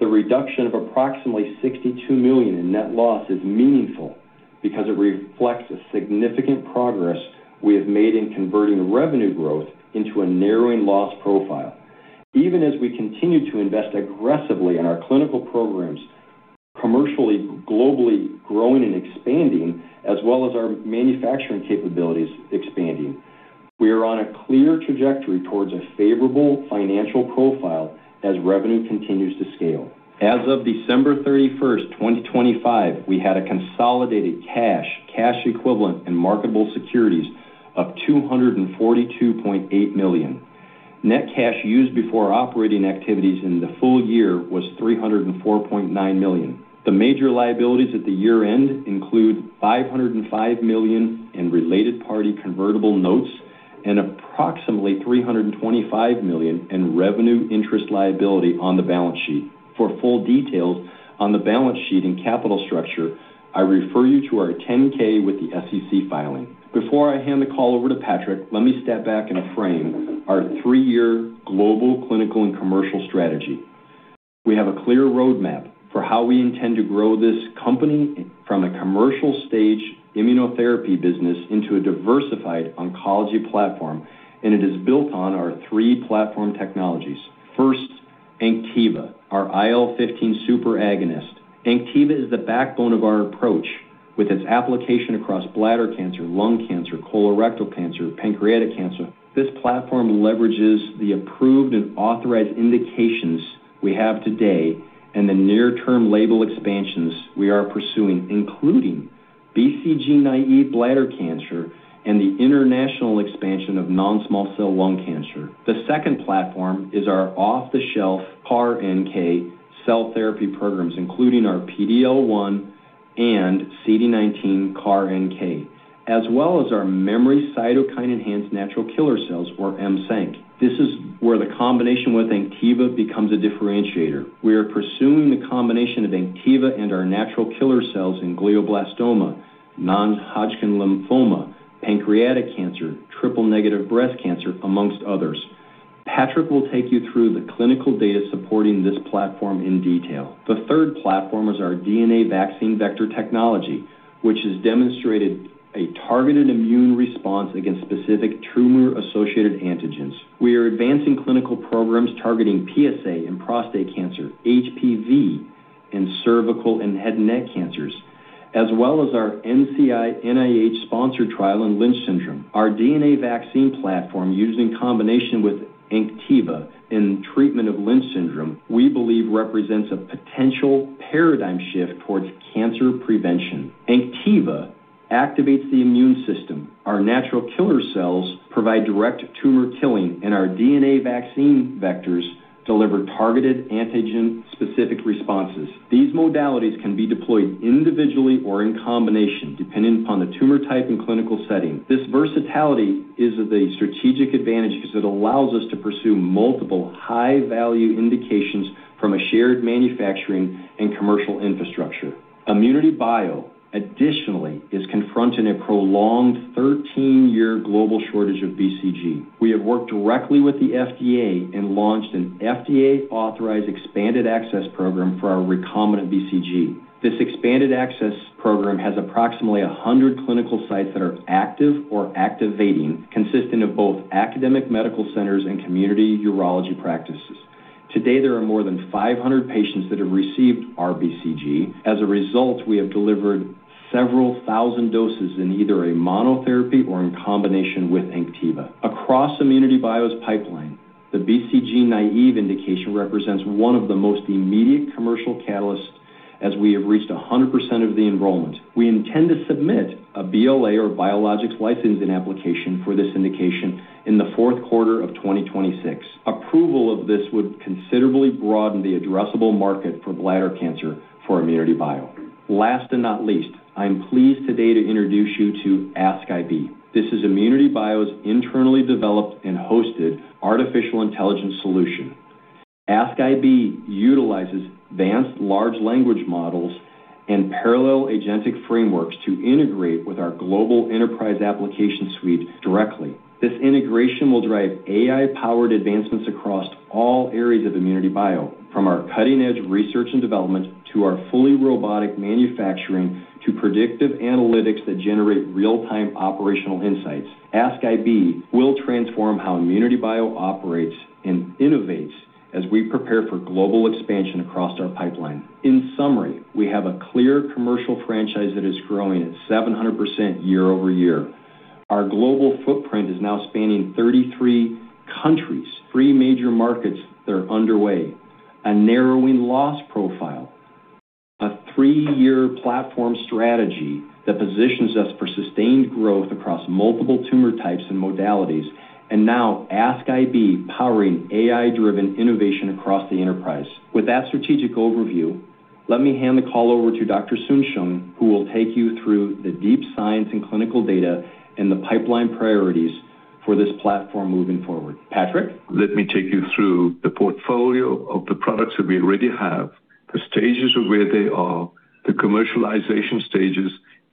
The reduction of approximately $62 million in net loss is meaningful because it reflects a significant progress we have made in converting revenue growth into a narrowing loss profile. Even as we continue to invest aggressively in our clinical programs, commercially, globally growing and expanding, as well as our manufacturing capabilities expanding, we are on a clear trajectory towards a favorable financial profile as revenue continues to scale. As of December 31, 2025, we had a consolidated cash equivalent, and marketable securities of $242.8 million. Net cash used before operating activities in the full year was $304.9 million. The major liabilities at the year-end include $505 million in related party convertible notes and approximately $325 million in revenue interest liability on the balance sheet. For full details on the balance sheet and capital structure, I refer you to our 10-K with the SEC filing. Before I hand the call over to Patrick, let me step back and frame our three-year global clinical and commercial strategy. We have a clear roadmap for how we intend to grow this company from a commercial stage immunotherapy business into a diversified oncology platform, and it is built on our three platform technologies. First, Anktiva, our IL-15 superagonist. Anktiva is the backbone of our approach with its application across bladder cancer, lung cancer, colorectal cancer, pancreatic cancer. This platform leverages the approved and authorized indications we have today and the near-term label expansions we are pursuing, including BCG-naïve bladder cancer and the international expansion of non-small cell lung cancer. The second platform is our off-the-shelf CAR-NK cell therapy programs, including our PD-L1 and CD19 CAR-NK, as well as our memory cytokine-enhanced natural killer cells, or M-ceNK. This is where the combination with Anktiva becomes a differentiator. We are pursuing the combination of Anktiva and our natural killer cells in glioblastoma, non-Hodgkin lymphoma, pancreatic cancer, triple-negative breast cancer, amongst others. Patrick will take you through the clinical data supporting this platform in detail. The third platform is our DNA vaccine vector technology, which has demonstrated a targeted immune response against specific tumor-associated antigens. We are advancing clinical programs targeting PSA in prostate cancer, HPV in cervical and head neck cancers, as well as our NCI-NIH sponsored trial in Lynch Syndrome. Our DNA vaccine platform used in combination with Anktiva in treatment of Lynch syndrome, we believe represents a potential paradigm shift towards cancer prevention. Anktiva activates the immune system. Our natural killer cells provide direct tumor killing, and our DNA vaccine vectors deliver targeted antigen-specific responses. These modalities can be deployed individually or in combination, depending upon the tumor type and clinical setting. This versatility is the strategic advantage because it allows us to pursue multiple high-value indications from a shared manufacturing and commercial infrastructure. ImmunityBio additionally is confronting a prolonged 13-year global shortage of BCG. We have worked directly with the FDA and launched an FDA-authorized expanded access program for our recombinant BCG. This expanded access program has approximately 100 clinical sites that are active or activating, consisting of both academic medical centers and community urology practices. Today, there are more than 500 patients that have received rBCG. As a result, we have delivered several thousand doses in either a monotherapy or in combination with Anktiva. Across ImmunityBio's pipeline, the BCG-naive indication represents one of the most immediate commercial catalysts as we have reached 100% of the enrollment. We intend to submit a BLA or biologics licensing application for this indication in the fourth quarter of 2026. Approval of this would considerably broaden the addressable market for bladder cancer for ImmunityBio. Last and not least, I am pleased today to introduce you to Ask IB. This is ImmunityBio's internally developed and hosted artificial intelligence solution. Ask IB utilizes advanced large language models and parallel agentic frameworks to integrate with our global enterprise application suite directly. This integration will drive AI-powered advancements across all areas of ImmunityBio, from our cutting-edge research and development to our fully robotic manufacturing to predictive analytics that generate real-time operational insights. Ask IB will transform how ImmunityBio operates and innovates as we prepare for global expansion across our pipeline. In summary, we have a clear commercial franchise that is growing at 700% year-over-year. Our global footprint is now spanning 33 countries, three major markets that are underway, a narrowing loss profile, a three-year platform strategy that positions us for sustained growth across multiple tumor types and modalities, and now Ask IB powering AI-driven innovation across the enterprise. With that strategic overview, let me hand the call over to Dr. Soon-Shiong, who will take you through the deep science and clinical data and the pipeline priorities for this platform moving forward. Patrick? Let me take you through the portfolio of the products that we already have, the stages of where they are, the commercialization stages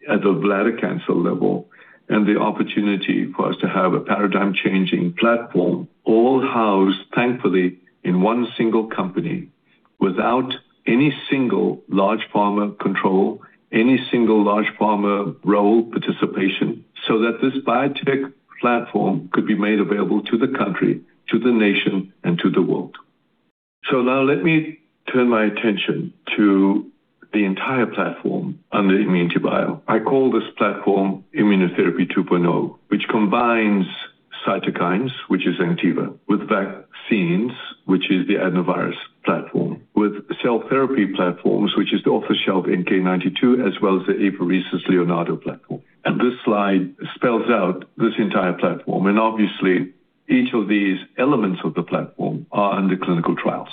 at the bladder cancer level, and the opportunity for us to have a paradigm-changing platform all housed, thankfully, in one single company without any single large pharma control, any single large pharma role participation, so that this biotech platform could be made available to the country, to the nation, and to the world. Now let me turn my attention to the entire platform under ImmunityBio. I call this platform Immunotherapy 2.0, which combines cytokines, which is Anktiva, with vaccines, which is the adenovirus platform, with cell therapy platforms, which is the off-the-shelf NK-92, as well as the apheresis Leonardo platform. This slide spells out this entire platform. Obviously, each of these elements of the platform are under clinical trials.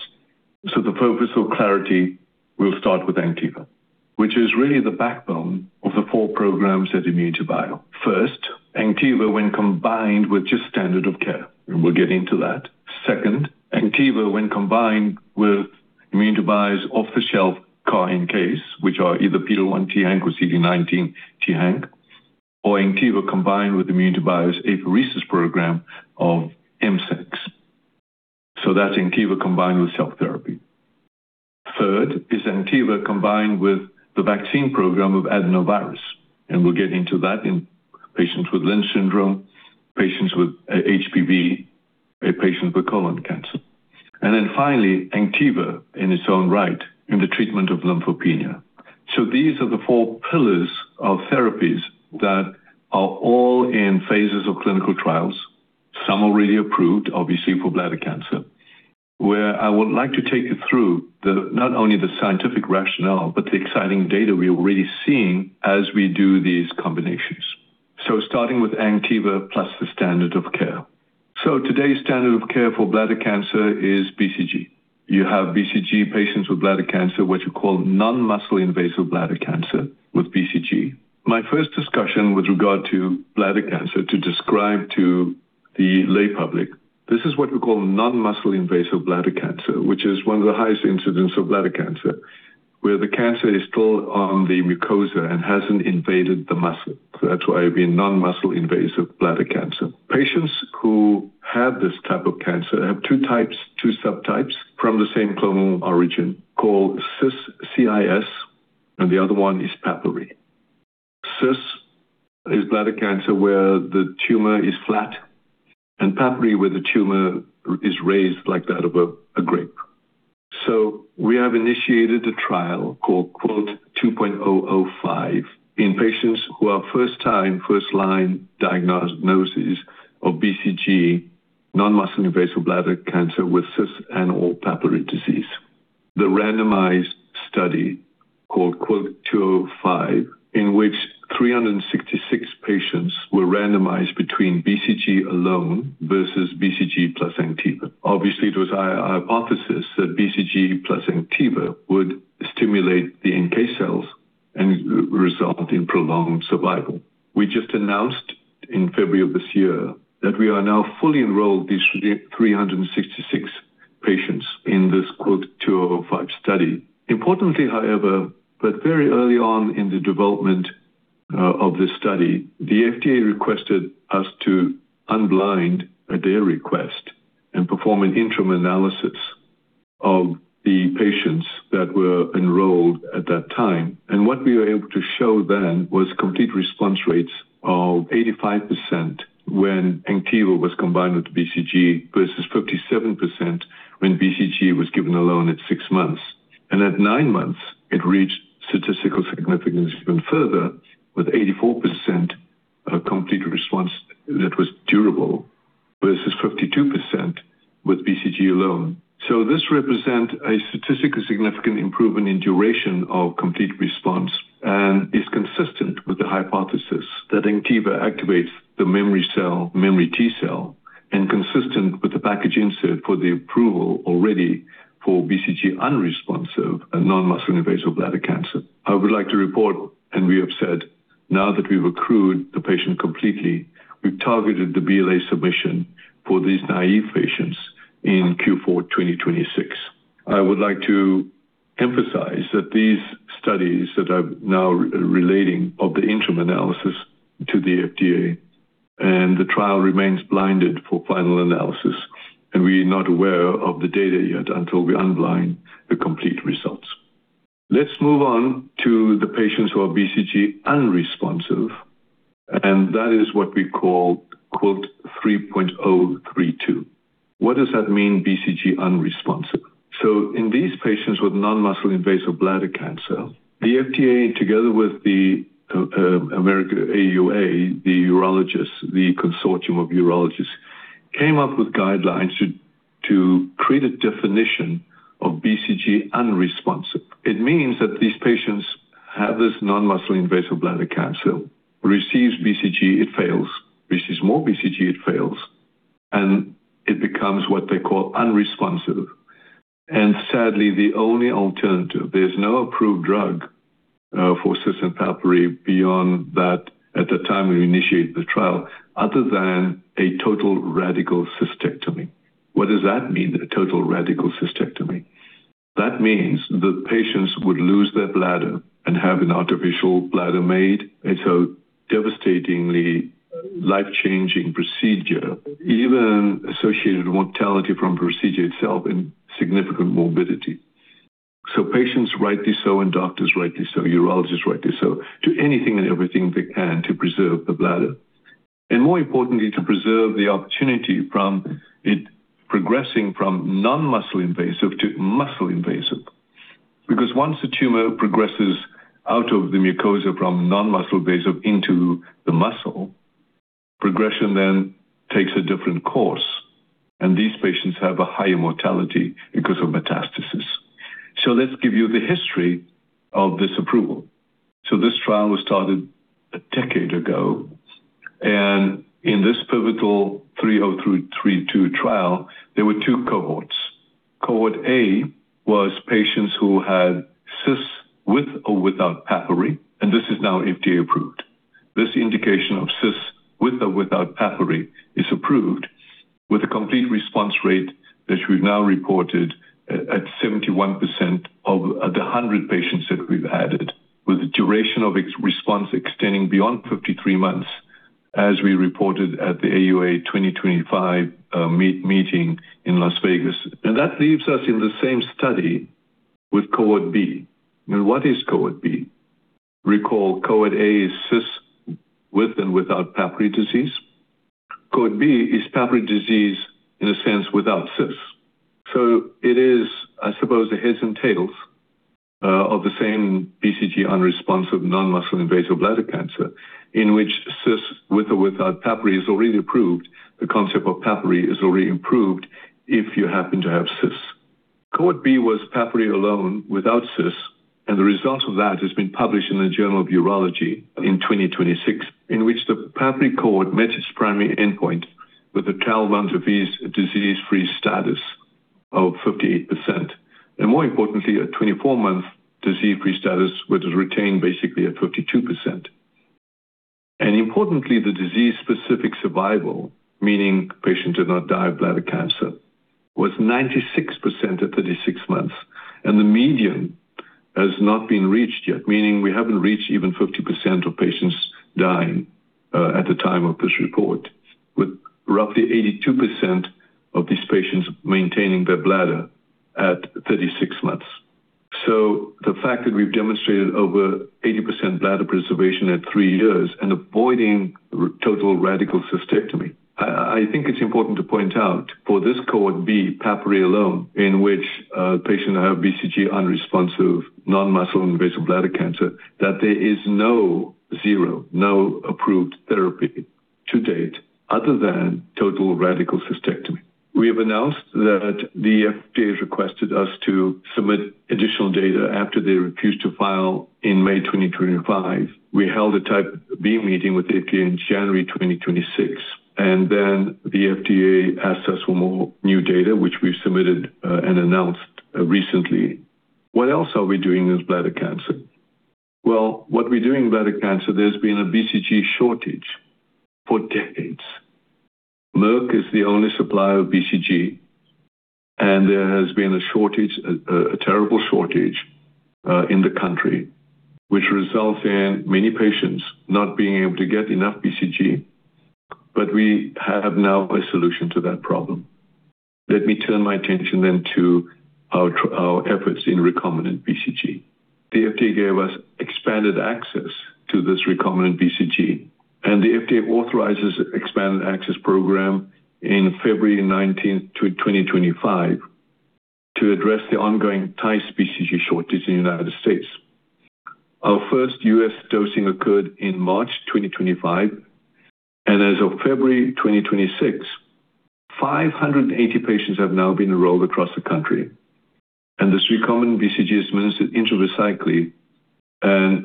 The focus of clarity will start with Anktiva, which is really the backbone of the four programs at ImmunityBio. First, Anktiva when combined with just standard of care, and we'll get into that. Second, Anktiva when combined with ImmunityBio's off-the-shelf CAR-NK, which are either PD-L1 t-haNK or CD19 t-haNK, or Anktiva combined with ImmunityBio's apheresis program of MSX. That's Anktiva combined with cell therapy. Third is Anktiva combined with the vaccine program of adenovirus, and we'll get into that in patients with Lynch syndrome, patients with HPV, patients with colon cancer. Finally, Anktiva in its own right in the treatment of lymphopenia. These are the four pillars of therapies that are all in phases of clinical trials. Some already approved, obviously, for bladder cancer, where I would like to take you through not only the scientific rationale, but the exciting data we're already seeing as we do these combinations. Starting with Anktiva plus the standard of care. Today's standard of care for bladder cancer is BCG. You have BCG patients with bladder cancer, what you call non-muscle invasive bladder cancer with BCG. My first discussion with regard to bladder cancer to describe to the lay public, this is what we call non-muscle invasive bladder cancer, which is one of the highest incidence of bladder cancer, where the cancer is still on the mucosa and hasn't invaded the muscle. That's why it being non-muscle invasive bladder cancer. Patients who have this type of cancer have two types, two subtypes from the same clonal origin called CIS and the other one is papillary. CIS is bladder cancer, where the tumor is flat, and papillary where the tumor is raised like that of a grape. We have initiated a trial called QUILT-2.005 in patients who are first-time, first-line diagnosis of BCG, non-muscle invasive bladder cancer with CIS and/or papillary disease. The randomized study called QUILT-2.005 in which 366 patients were randomized between BCG alone versus BCG plus Anktiva. It was a hypothesis that BCG plus Anktiva would stimulate the NK cells and result in prolonged survival. We just announced in February of this year that we are now fully enrolled these 366 patients in this QUILT-2.005 study. Importantly, however, very early on in the development of this study, the FDA requested us to unblind at their request and perform an interim analysis of the patients that were enrolled at that time. What we were able to show then was complete response rates of 85% when Anktiva was combined with BCG versus 57% when BCG was given alone at 6 months. At 9 months, it reached statistical significance even further with 84% of complete response that was durable versus 52% with BCG alone. This represent a statistically significant improvement in duration of complete response and is consistent with the hypothesis that Anktiva activates the memory cell, memory T cell, and consistent with the package insert for the approval already for BCG-unresponsive and non-muscle invasive bladder cancer. I would like to report, we have said, now that we've accrued the patient completely, we've targeted the BLA submission for these naive patients in Q4 2026. I would like to emphasize that these studies that I'm now relating of the interim analysis to the FDA, the trial remains blinded for final analysis, we're not aware of the data yet until we unblind the complete results. Let's move on to the patients who are BCG unresponsive, that is what we call QUILT-3.032. What does that mean, BCG unresponsive? In these patients with non-muscle invasive bladder cancer, the FDA, together with the AUA, the urologists, the consortium of urologists, came up with guidelines to create a definition of BCG unresponsive. It means that these patients have this non-muscle invasive bladder cancer, receives BCG, it fails, receives more BCG, it fails, and it becomes what they call unresponsive. Sadly, the only alternative, there's no approved drug for CIS and papillary beyond that at the time we initiate the trial, other than a total radical cystectomy. What does that mean, a total radical cystectomy? That means the patients would lose their bladder and have an artificial bladder made. It's a devastatingly life-changing procedure, even associated mortality from procedure itself and significant morbidity. Patients rightly so, and doctors rightly so, urologists rightly so, do anything and everything they can to preserve the bladder, and more importantly, to preserve the opportunity from it progressing from non-muscle invasive to muscle invasive. Because once the tumor progresses out of the mucosa from non-muscle invasive into the muscle, progression then takes a different course, and these patients have a higher mortality because of metastasis. Let's give you the history of this approval. This trial was started a decade ago, and in this pivotal QUILT-3.032 trial, there were two cohorts. Cohort A was patients who had CIS with or without papillary, and this is now FDA-approved. This indication of CIS with or without papillary is approved with a complete response rate that we've now reported at 71% of the 100 patients that we've added, with a duration of response extending beyond 53 months, as we reported at the AUA 2025 meeting in Las Vegas. That leaves us in the same study with Cohort B. What is Cohort B? Recall Cohort A is CIS with and without papillary disease. Cohort B is papillary disease in a sense without CIS. It is, I suppose, the heads and tails of the same BCG-unresponsive non-muscle invasive bladder cancer, in which CIS with or without papillary is already approved. The concept of papillary is already improved if you happen to have CIS. Cohort B was papillary alone without CIS, and the result of that has been published in the Journal of Urology in 2026, in which the papillary cohort met its primary endpoint with a 12 months disease-free status of 58%. More importantly, a 24-month disease-free status, which is retained basically at 52%. Importantly, the disease-specific survival, meaning patient did not die of bladder cancer, was 96% at 36 months, and the median has not been reached yet, meaning we haven't reached even 50% of patients dying at the time of this report, with roughly 82% of these patients maintaining their bladder at 36 months. The fact that we've demonstrated over 80% bladder preservation at three years and avoiding total radical cystectomy. I think it's important to point out for this Cohort B, papillary alone, in which patients have BCG unresponsive non-muscle invasive bladder cancer, that there is no, zero, no approved therapy to date other than total radical cystectomy. We have announced that the FDA has requested us to submit additional data after they refused to file in May 2025. We held a Type B meeting with the FDA in January 2026. The FDA asked us for more new data, which we've submitted and announced recently. What else are we doing with bladder cancer? Well, what we're doing with bladder cancer, there's been a BCG shortage for decades. Merck is the only supplier of BCG, and there has been a terrible shortage in the country, which results in many patients not being able to get enough BCG. We have now a solution to that problem. Let me turn my attention then to our efforts in recombinant BCG. The FDA gave us expanded access to this recombinant BCG. The FDA authorizes expanded access program in February 19th, 2025 to address the ongoing Tice BCG shortage in the United States. Our first U.S. dosing occurred in March 2025. As of February 2026, 580 patients have now been enrolled across the country. This recombinant BCG is administered intralesionally.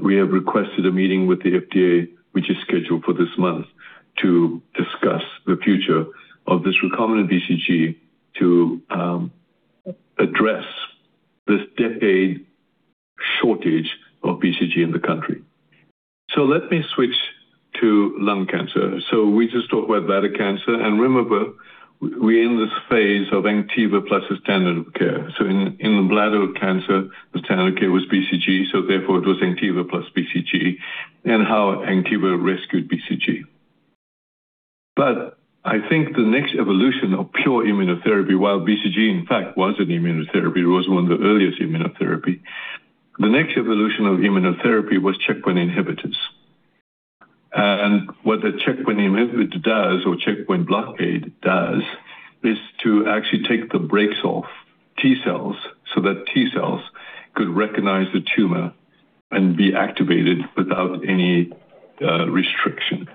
We have requested a meeting with the FDA, which is scheduled for this month, to discuss the future of this recombinant BCG to address this decade shortage of BCG in the country. Let me switch to lung cancer. We just talked about bladder cancer. Remember we're in this phase of Anktiva plus the standard of care. In the bladder cancer, the standard of care was BCG, therefore it was Anktiva plus BCG, and how Anktiva rescued BCG. I think the next evolution of pure immunotherapy, while BCG in fact was an immunotherapy, was one of the earliest immunotherapy. The next evolution of immunotherapy was checkpoint inhibitors. What the checkpoint inhibitor does or checkpoint blockade does is to actually take the brakes off T cells so that T cells could recognize the tumor and be activated without any restriction.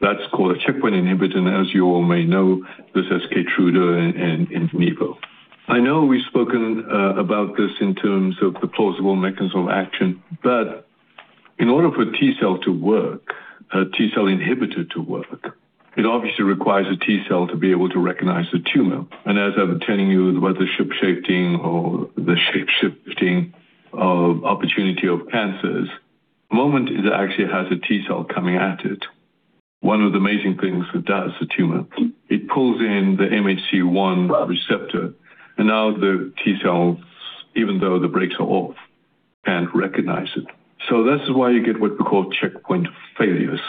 That's called a checkpoint inhibitor, as you all may know, this is Keytruda and Nivo. I know we've spoken about this in terms of the plausible mechanism of action, in order for T cell to work, a T cell inhibitor to work, it obviously requires a T cell to be able to recognize the tumor. As I'm telling you about the ship shifting or the shape-shifting of opportunity of cancers, moment it actually has a T cell coming at it. One of the amazing things it does, the tumor, it pulls in the MHC-1 receptor, now the T cells, even though the brakes are off, can't recognize it. That's why you get what we call checkpoint failures.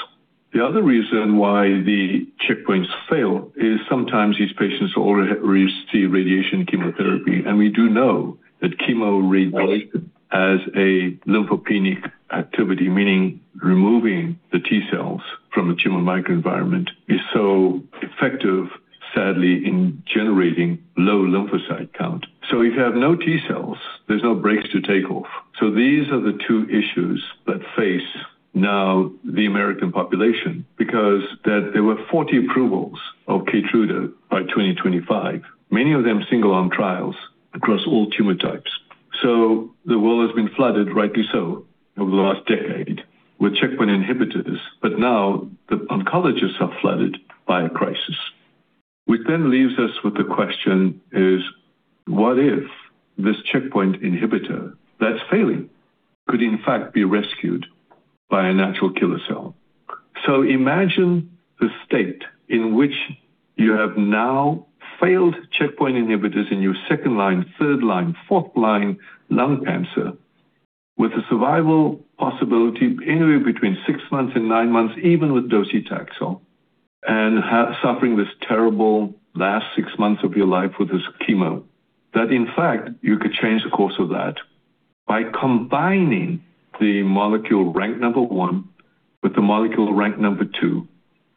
The other reason why the checkpoints fail is sometimes these patients already receive radiation chemotherapy, and we do know that chemo radiation has a lymphopenic activity, meaning removing the T cells from the tumor microenvironment is so effective, sadly, in generating low lymphocyte count. If you have no T cells, there's no brakes to take off. These are the two issues that face now the American population because that there were 40 approvals of Keytruda by 2025, many of them single-arm trials across all tumor types. The world has been flooded, rightly so, over the last decade with checkpoint inhibitors. Now the oncologists are flooded by a crisis, which then leaves us with the question is, what if this checkpoint inhibitor that's failing could in fact be rescued by a natural killer cell? Imagine the state in which you have now failed checkpoint inhibitors in your second-line, third-line, fourth-line lung cancer with a survival possibility anywhere between 6 months and 9 months, even with docetaxel, suffering this terrible last 6 months of your life with this chemo. In fact, you could change the course of that by combining the molecule rank number 1 with the molecule rank number 2,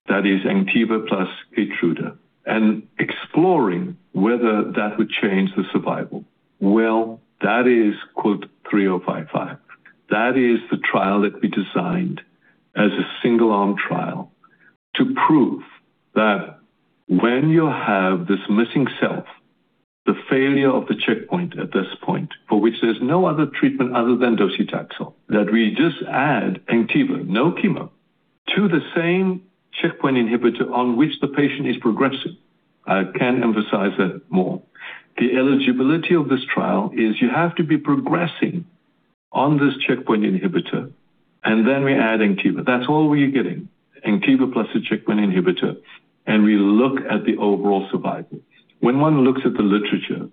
that is Anktiva plus Keytruda, exploring whether that would change the survival. That is called QUILT-3.055. That is the trial that we designed as a single-arm trial to prove that when you have this missing self, the failure of the checkpoint at this point, for which there's no other treatment other than docetaxel, we just add Anktiva, no chemo, to the same checkpoint inhibitor on which the patient is progressing. I can't emphasize that more. The eligibility of this trial is you have to be progressing on this checkpoint inhibitor, then we add Anktiva. That's all we are getting, Anktiva plus a checkpoint inhibitor, we look at the overall survival. When one looks at the literature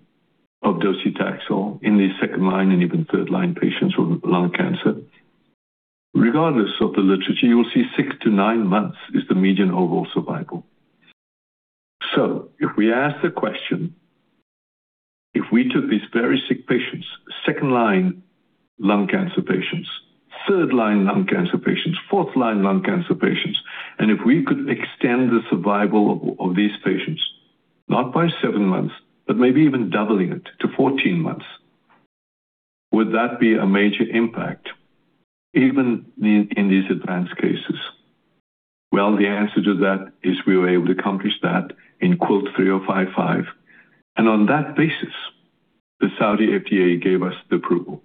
of docetaxel in these second-line and even third-line patients with lung cancer, regardless of the literature, you will see 6-9 months is the median overall survival. If we ask the question, if we took these very sick patients, second-line lung cancer patients, third-line lung cancer patients, fourth-line lung cancer patients, if we could extend the survival of these patients not by 7 months, but maybe even doubling it to 14 months, would that be a major impact even in these advanced cases? The answer to that is we were able to accomplish that in QUILT-3.055. On that basis, the Saudi FDA gave us the approval.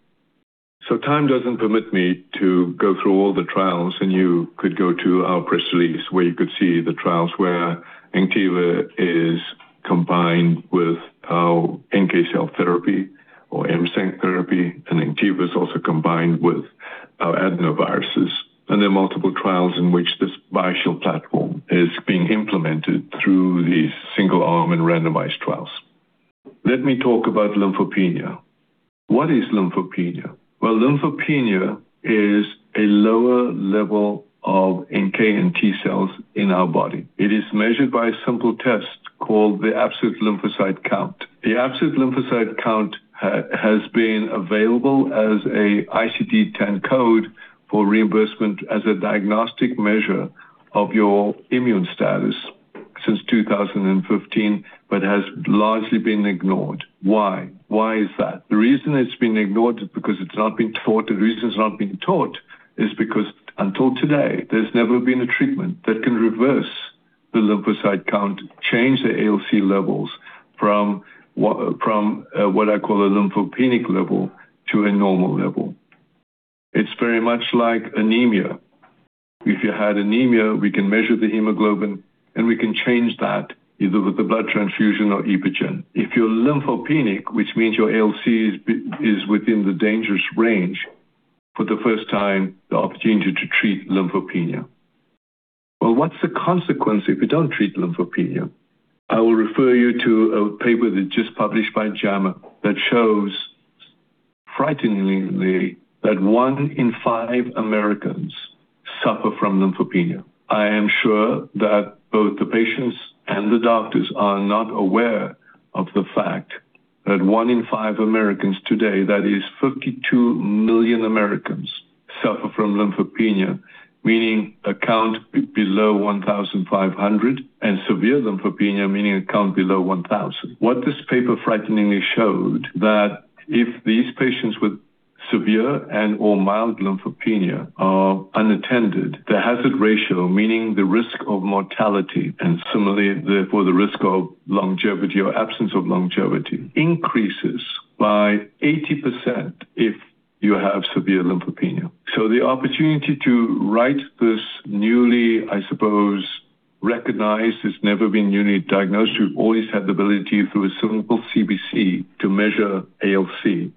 Time doesn't permit me to go through all the trials, and you could go to our press release where you could see the trials where Anktiva is combined with our NK cell therapy or M-ceNK therapy, and Anktiva is also combined with our adenoviruses. There are multiple trials in which this Cancer BioShield platform is being implemented through these single-arm and randomized trials. Let me talk about lymphopenia. What is lymphopenia? Lymphopenia is a lower level of NK and T cells in our body. It is measured by a simple test called the absolute lymphocyte count. The absolute lymphocyte count has been available as an ICD-10 code for reimbursement as a diagnostic measure of your immune status since 2015, but has largely been ignored. Why? Why is that? The reason it's been ignored is because it's not been taught. The reason it's not been taught is because until today, there's never been a treatment that can reverse the lymphocyte count, change the ALC levels from what, from what I call a lymphopenic level to a normal level. It's very much like anemia. If you had anemia, we can measure the hemoglobin, and we can change that either with a blood transfusion or Epogen. If you're lymphopenic, which means your ALC is within the dangerous range, for the first time, the opportunity to treat lymphopenia. What's the consequence if we don't treat lymphopenia? I will refer you to a paper that just published by JAMA that shows frighteningly that 1 in 5 Americans suffer from lymphopenia. I am sure that both the patients and the doctors are not aware of the fact that 1 in 5 Americans today, that is 52 million Americans, suffer from lymphopenia, meaning a count below 1,500, and severe lymphopenia, meaning a count below 1,000. What this paper frighteningly showed that if these patients with severe and/or mild lymphopenia are unattended, the hazard ratio, meaning the risk of mortality, and similarly therefore the risk of longevity or absence of longevity, increases by 80% if you have severe lymphopenia. The opportunity to write this newly, I suppose, recognized, it's never been newly diagnosed. We've always had the ability through a simple CBC to measure ALC.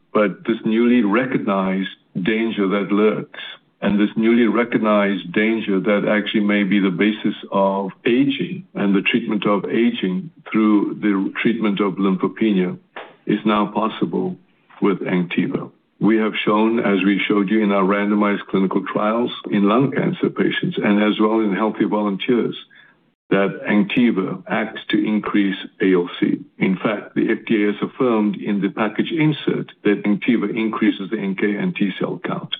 This newly recognized danger that lurks and this newly recognized danger that actually may be the basis of aging and the treatment of aging through the treatment of lymphopenia is now possible with Anktiva. We have shown, as we showed you in our randomized clinical trials in lung cancer patients and as well in healthy volunteers, that Anktiva acts to increase ALC. In fact, the FDA has affirmed in the package insert that Anktiva increases the NK and T cell count.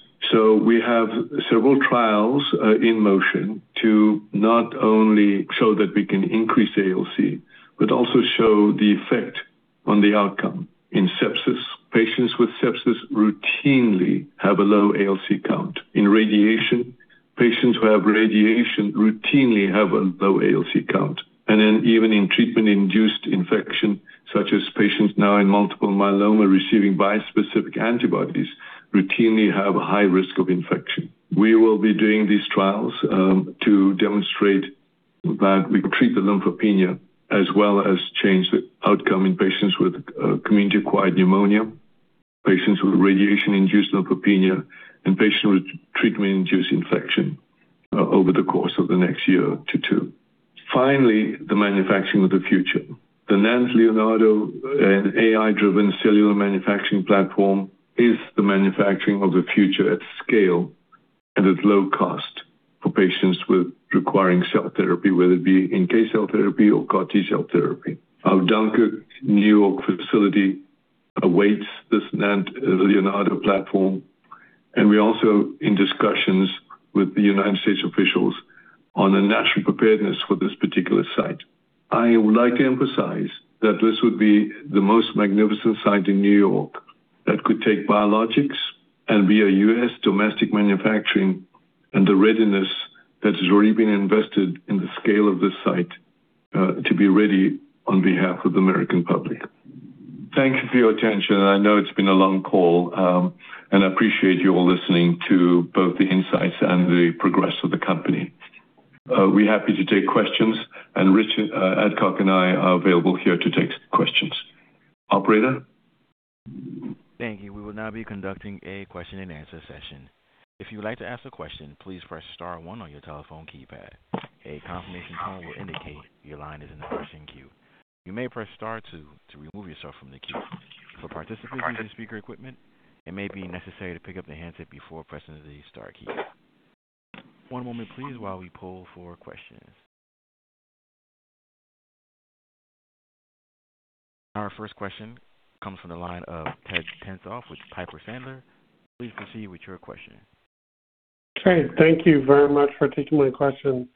We have several trials in motion to not only show that we can increase ALC, but also show the effect on the outcome. In sepsis, patients with sepsis routinely have a low ALC count. In radiation, patients who have radiation routinely have a low ALC count. Then even in treatment-induced infection, such as patients now in multiple myeloma receiving bispecific antibodies routinely have a high risk of infection. We will be doing these trials to demonstrate that we can treat the lymphopenia as well as change the outcome in patients with community-acquired pneumonia, patients with radiation-induced lymphopenia, and patients with treatment-induced infection over the course of the next year to two. Finally, the manufacturing of the future. The NANT Leonardo AI-driven cellular manufacturing platform is the manufacturing of the future at scale and at low cost for patients with requiring cell therapy, whether it be NK cell therapy or CAR T-cell therapy. Our Dunkirk, New York facility awaits this NANT Leonardo platform, and we're also in discussions with the United States officials on a national preparedness for this particular site. I would like to emphasize that this would be the most magnificent site in New York that could take biologics and via U.S. domestic manufacturing and the readiness that has already been invested in the scale of this site, to be ready on behalf of the American public. Thank you for your attention. I know it's been a long call, and I appreciate you all listening to both the insights and the progress of the company. We're happy to take questions, and Rich Adcock and I are available here to take some questions. Operator? Thank you. We will now be conducting a question-and-answer session. If you would like to ask a question, please press star one on your telephone keypad. A confirmation tone will indicate your line is in the question queue. You may press star two to remove yourself from the queue. For participants using speaker equipment, it may be necessary to pick up the handset before pressing the star key. One moment please while we poll for questions. Our first question comes from the line of Ted Tenthoff with Piper Sandler. Please proceed with your question. Great. Thank you very much for taking my question.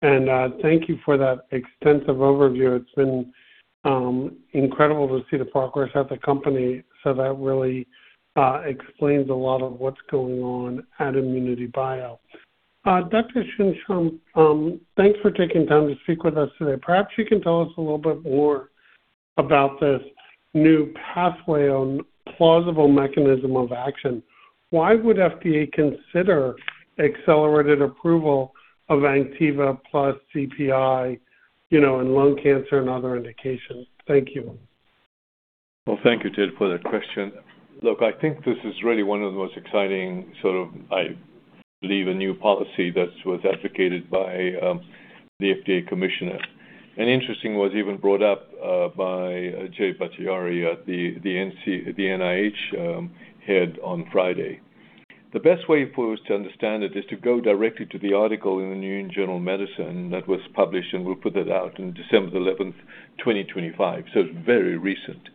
Thank you for that extensive overview. It's been incredible to see the progress of the company. That really explains a lot of what's going on at ImmunityBio. Dr. Soon-Shiong, thanks for taking time to speak with us today. Perhaps you can tell us a little bit more about this new pathway on plausible mechanism of action. Why would FDA consider accelerated approval of Anktiva plus CPI, you know, in lung cancer and other indications? Thank you. Thank you, Ted, for that question. I think this is really one of the most exciting sort of I-Leave a new policy that was advocated by the FDA commissioner. Interesting was even brought up by Jay Bhatia at the NIH head on Friday. The best way for us to understand it is to go directly to the article in the New England Journal of Medicine that was published, and we'll put that out, in December the 11th, 2025. It's very recent.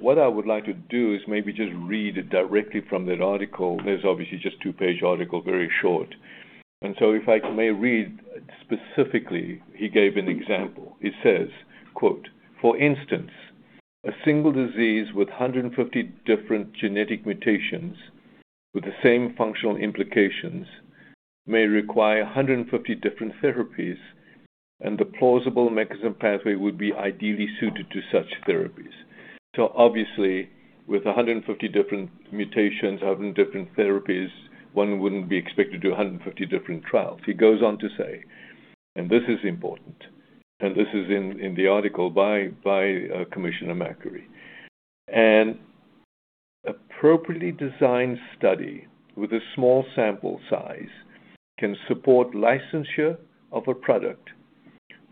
What I would like to do is maybe just read directly from that article. There's obviously just two-page article, very short. If I may read specifically, he gave an example. It says, quote, "For instance, a single disease with 150 different genetic mutations with the same functional implications may require 150 different therapies, and the plausible mechanism pathway would be ideally suited to such therapies." Obviously, with 150 different mutations, 150 different therapies, one wouldn't be expected to do 150 different trials. He goes on to say, and this is important, and this is in the article by Commissioner MacAree, "An appropriately designed study with a small sample size can support licensure of a product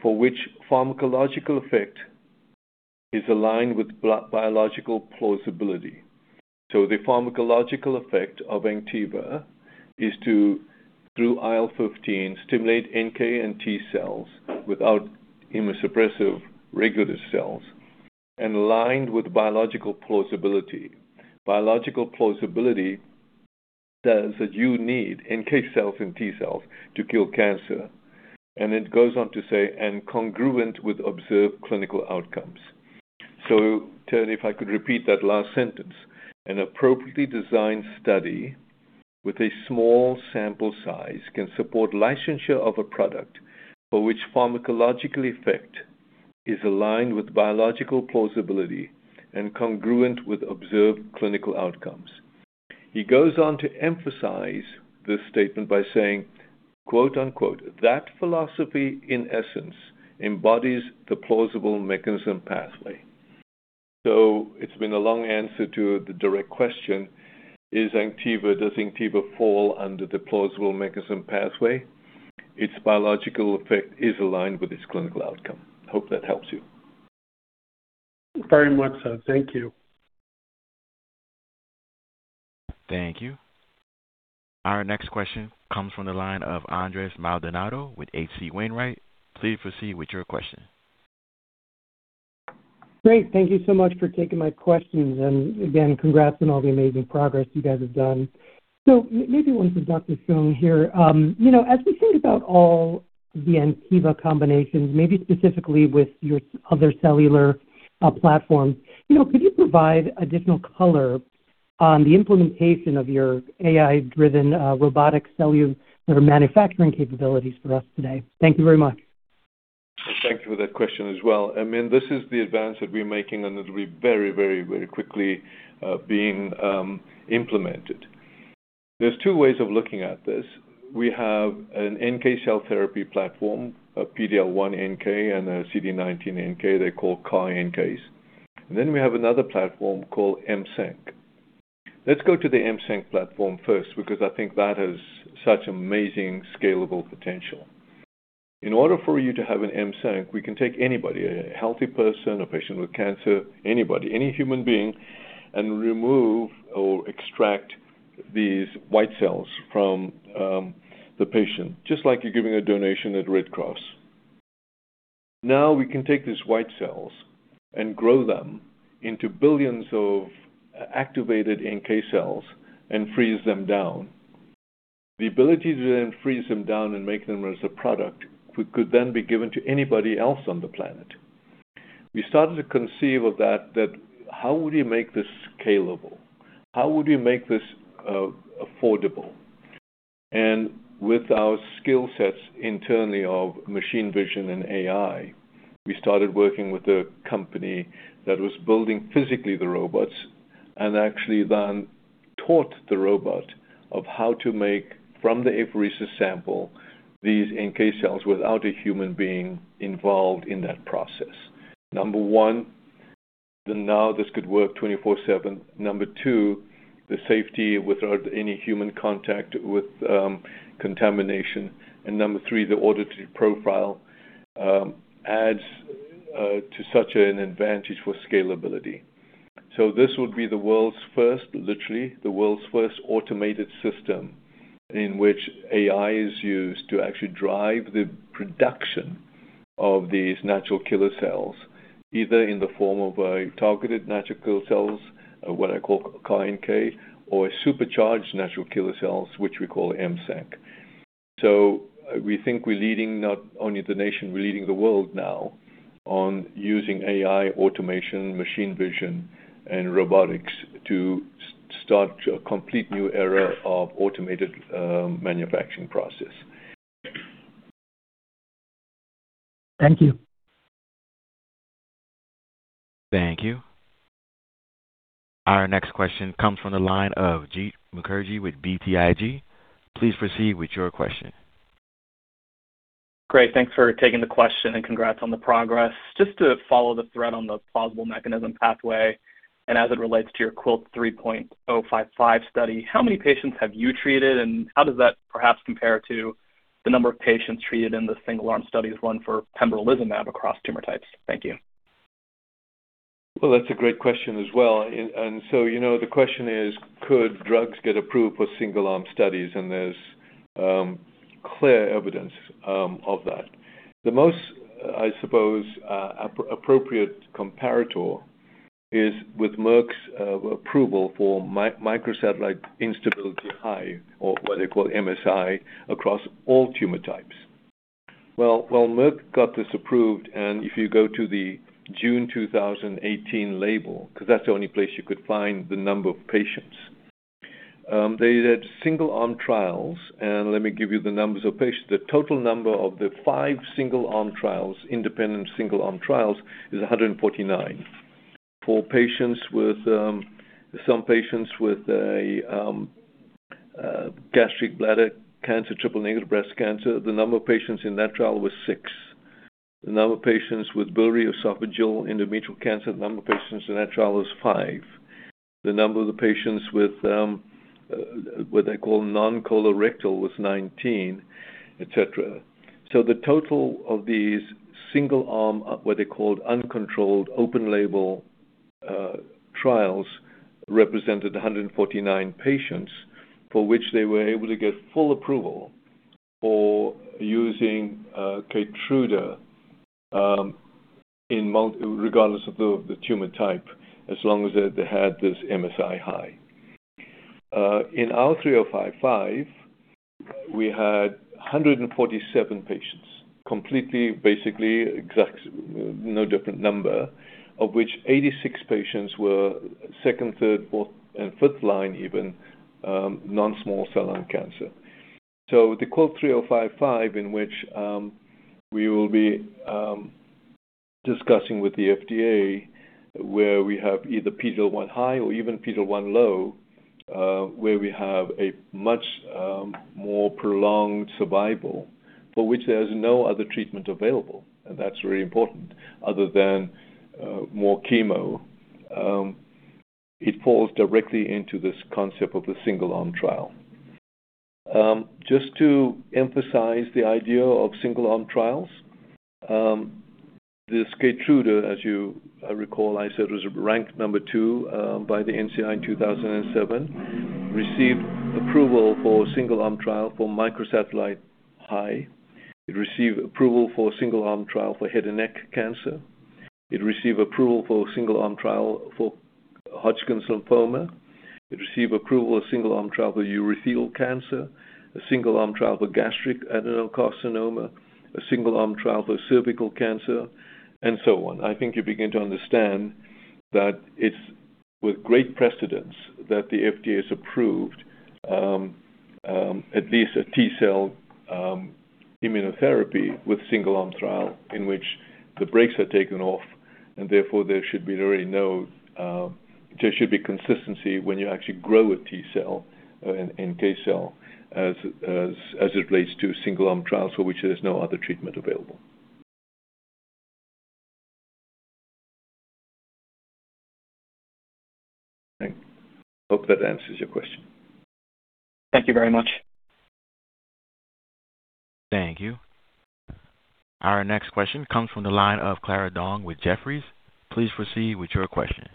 for which pharmacological effect is aligned with biological plausibility." The pharmacological effect of Anktiva is to, through IL-15, stimulate NK and T-cells without immunosuppressive regulatory cells and aligned with biological plausibility. Biological plausibility says that you need NK cells and T-cells to kill cancer. It goes on to say, "And congruent with observed clinical outcomes." Tony, if I could repeat that last sentence. "An appropriately designed study with a small sample size can support licensure of a product for which pharmacological effect is aligned with biological plausibility and congruent with observed clinical outcomes." He goes on to emphasize this statement by saying, quote-unquote, "That philosophy in essence embodies the plausible mechanism pathway." It's been a long answer to the direct question, does Anktiva fall under the plausible mechanism pathway? Its biological effect is aligned with its clinical outcome. Hope that helps you. Very much so. Thank you. Thank you. Our next question comes from the line of Andres Maldonado with H.C. Wainwright. Please proceed with your question. Great. Thank you so much for taking my questions. Again, congrats on all the amazing progress you guys have done. Maybe one for Dr. Soon-Shiong here. You know, as we think about all the Anktiva combinations, maybe specifically with your other cellular platforms, you know, could you provide additional color on the implementation of your AI-driven robotic cellular manufacturing capabilities for us today? Thank you very much. Thank you for that question as well. I mean, this is the advance that we're making, and it'll be very, very, very quickly being implemented. There's two ways of looking at this. We have an NK cell therapy platform, a PD-L1 NK and a CD19 NK. They're called CAR-NK. We have another platform called M-ceNK. Let's go to the M-ceNK platform first because I think that has such amazing scalable potential. In order for you to have an M-ceNK, we can take anybody, a healthy person, a patient with cancer, anybody, any human being, and remove or extract these white cells from the patient, just like you're giving a donation at Red Cross. We can take these white cells and grow them into billions of activated NK cells and freeze them down. The ability to then freeze them down and make them as a product could then be given to anybody else on the planet. We started to conceive of that how would we make this scalable? How would we make this affordable? With our skill sets internally of machine vision and AI, we started working with a company that was building physically the robots and actually then taught the robot of how to make, from the apheresis sample, these NK cells without a human being involved in that process. Number one, now this could work 24/7. Number two, the safety without any human contact with contamination. Number three, the auditory profile adds to such an advantage for scalability. This would be the world's first, literally the world's first automated system in which AI is used to actually drive the production of these natural killer cells, either in the form of a targeted natural killer cells, what I call CAR-NK, or a supercharged natural killer cells, which we call M-ceNK. We think we're leading not only the nation, we're leading the world now on using AI automation, machine vision, and robotics to start a complete new era of automated manufacturing process. Thank you. Thank you. Our next question comes from the line of Jeet Mukherjee with BTIG. Please proceed with your question. Great. Thanks for taking the question, and congrats on the progress. Just to follow the thread on the plausible mechanism pathway and as it relates to your QUILT-3.055 study, how many patients have you treated, and how does that perhaps compare to the number of patients treated in the single-arm studies, one for pembrolizumab across tumor types? Thank you. That's a great question as well. You know, the question is, could drugs get approved for single-arm studies? There's clear evidence of that. The most, I suppose, appropriate comparator is with Merck's approval for microsatellite instability-high or what they call MSI across all tumor types. While Merck got this approved, and if you go to the June 2018 label, 'cause that's the only place you could find the number of patients, they did single-arm trials, and let me give you the numbers of patients. The total number of the 5 single-arm trials, independent single-arm trials is 149. For patients with, some patients with a gastric bladder cancer, triple negative breast cancer, the number of patients in that trial was 6. The number of patients with biliary esophageal endometrial cancer, the number of patients in that trial was 5. The number of the patients with what they call non-colorectal was 19, etc. The total of these single-arm, what they called uncontrolled open label trials represented 149 patients for which they were able to get full approval for using Keytruda regardless of the tumor type, as long as they had this MSI high. In our QUILT-3.055, we had 147 patients completely, basically no different number, of which 86 patients were second, third, fourth, and fifth line even non-small cell lung cancer. The QUILT-3.055 in which we will be discussing with the FDA where we have either PD-L1 high or even PD-L1 low, where we have a much more prolonged survival for which there's no other treatment available. That's very important other than more chemo. It falls directly into this concept of the single-arm trial. Just to emphasize the idea of single-arm trials, this Keytruda, as you recall, I said, was ranked number 2 by the NCI in 2007, received approval for single-arm trial for microsatellite high. It received approval for single-arm trial for head and neck cancer. It received approval for single-arm trial for Hodgkin's lymphoma. It received approval of single-arm trial for urothelial cancer, a single-arm trial for gastric adenocarcinoma, a single-arm trial for cervical cancer, and so on. I think you begin to understand that it's with great precedence that the FDA has approved, at least a T-cell, immunotherapy with single-arm trial in which the brakes are taken off, and therefore there should be really no, there should be consistency when you actually grow a T-cell, and NK cell as it relates to single-arm trials for which there is no other treatment available. I hope that answers your question. Thank you very much. Thank you. Our next question comes from the line of Clara Dong with Jefferies. Please proceed with your question.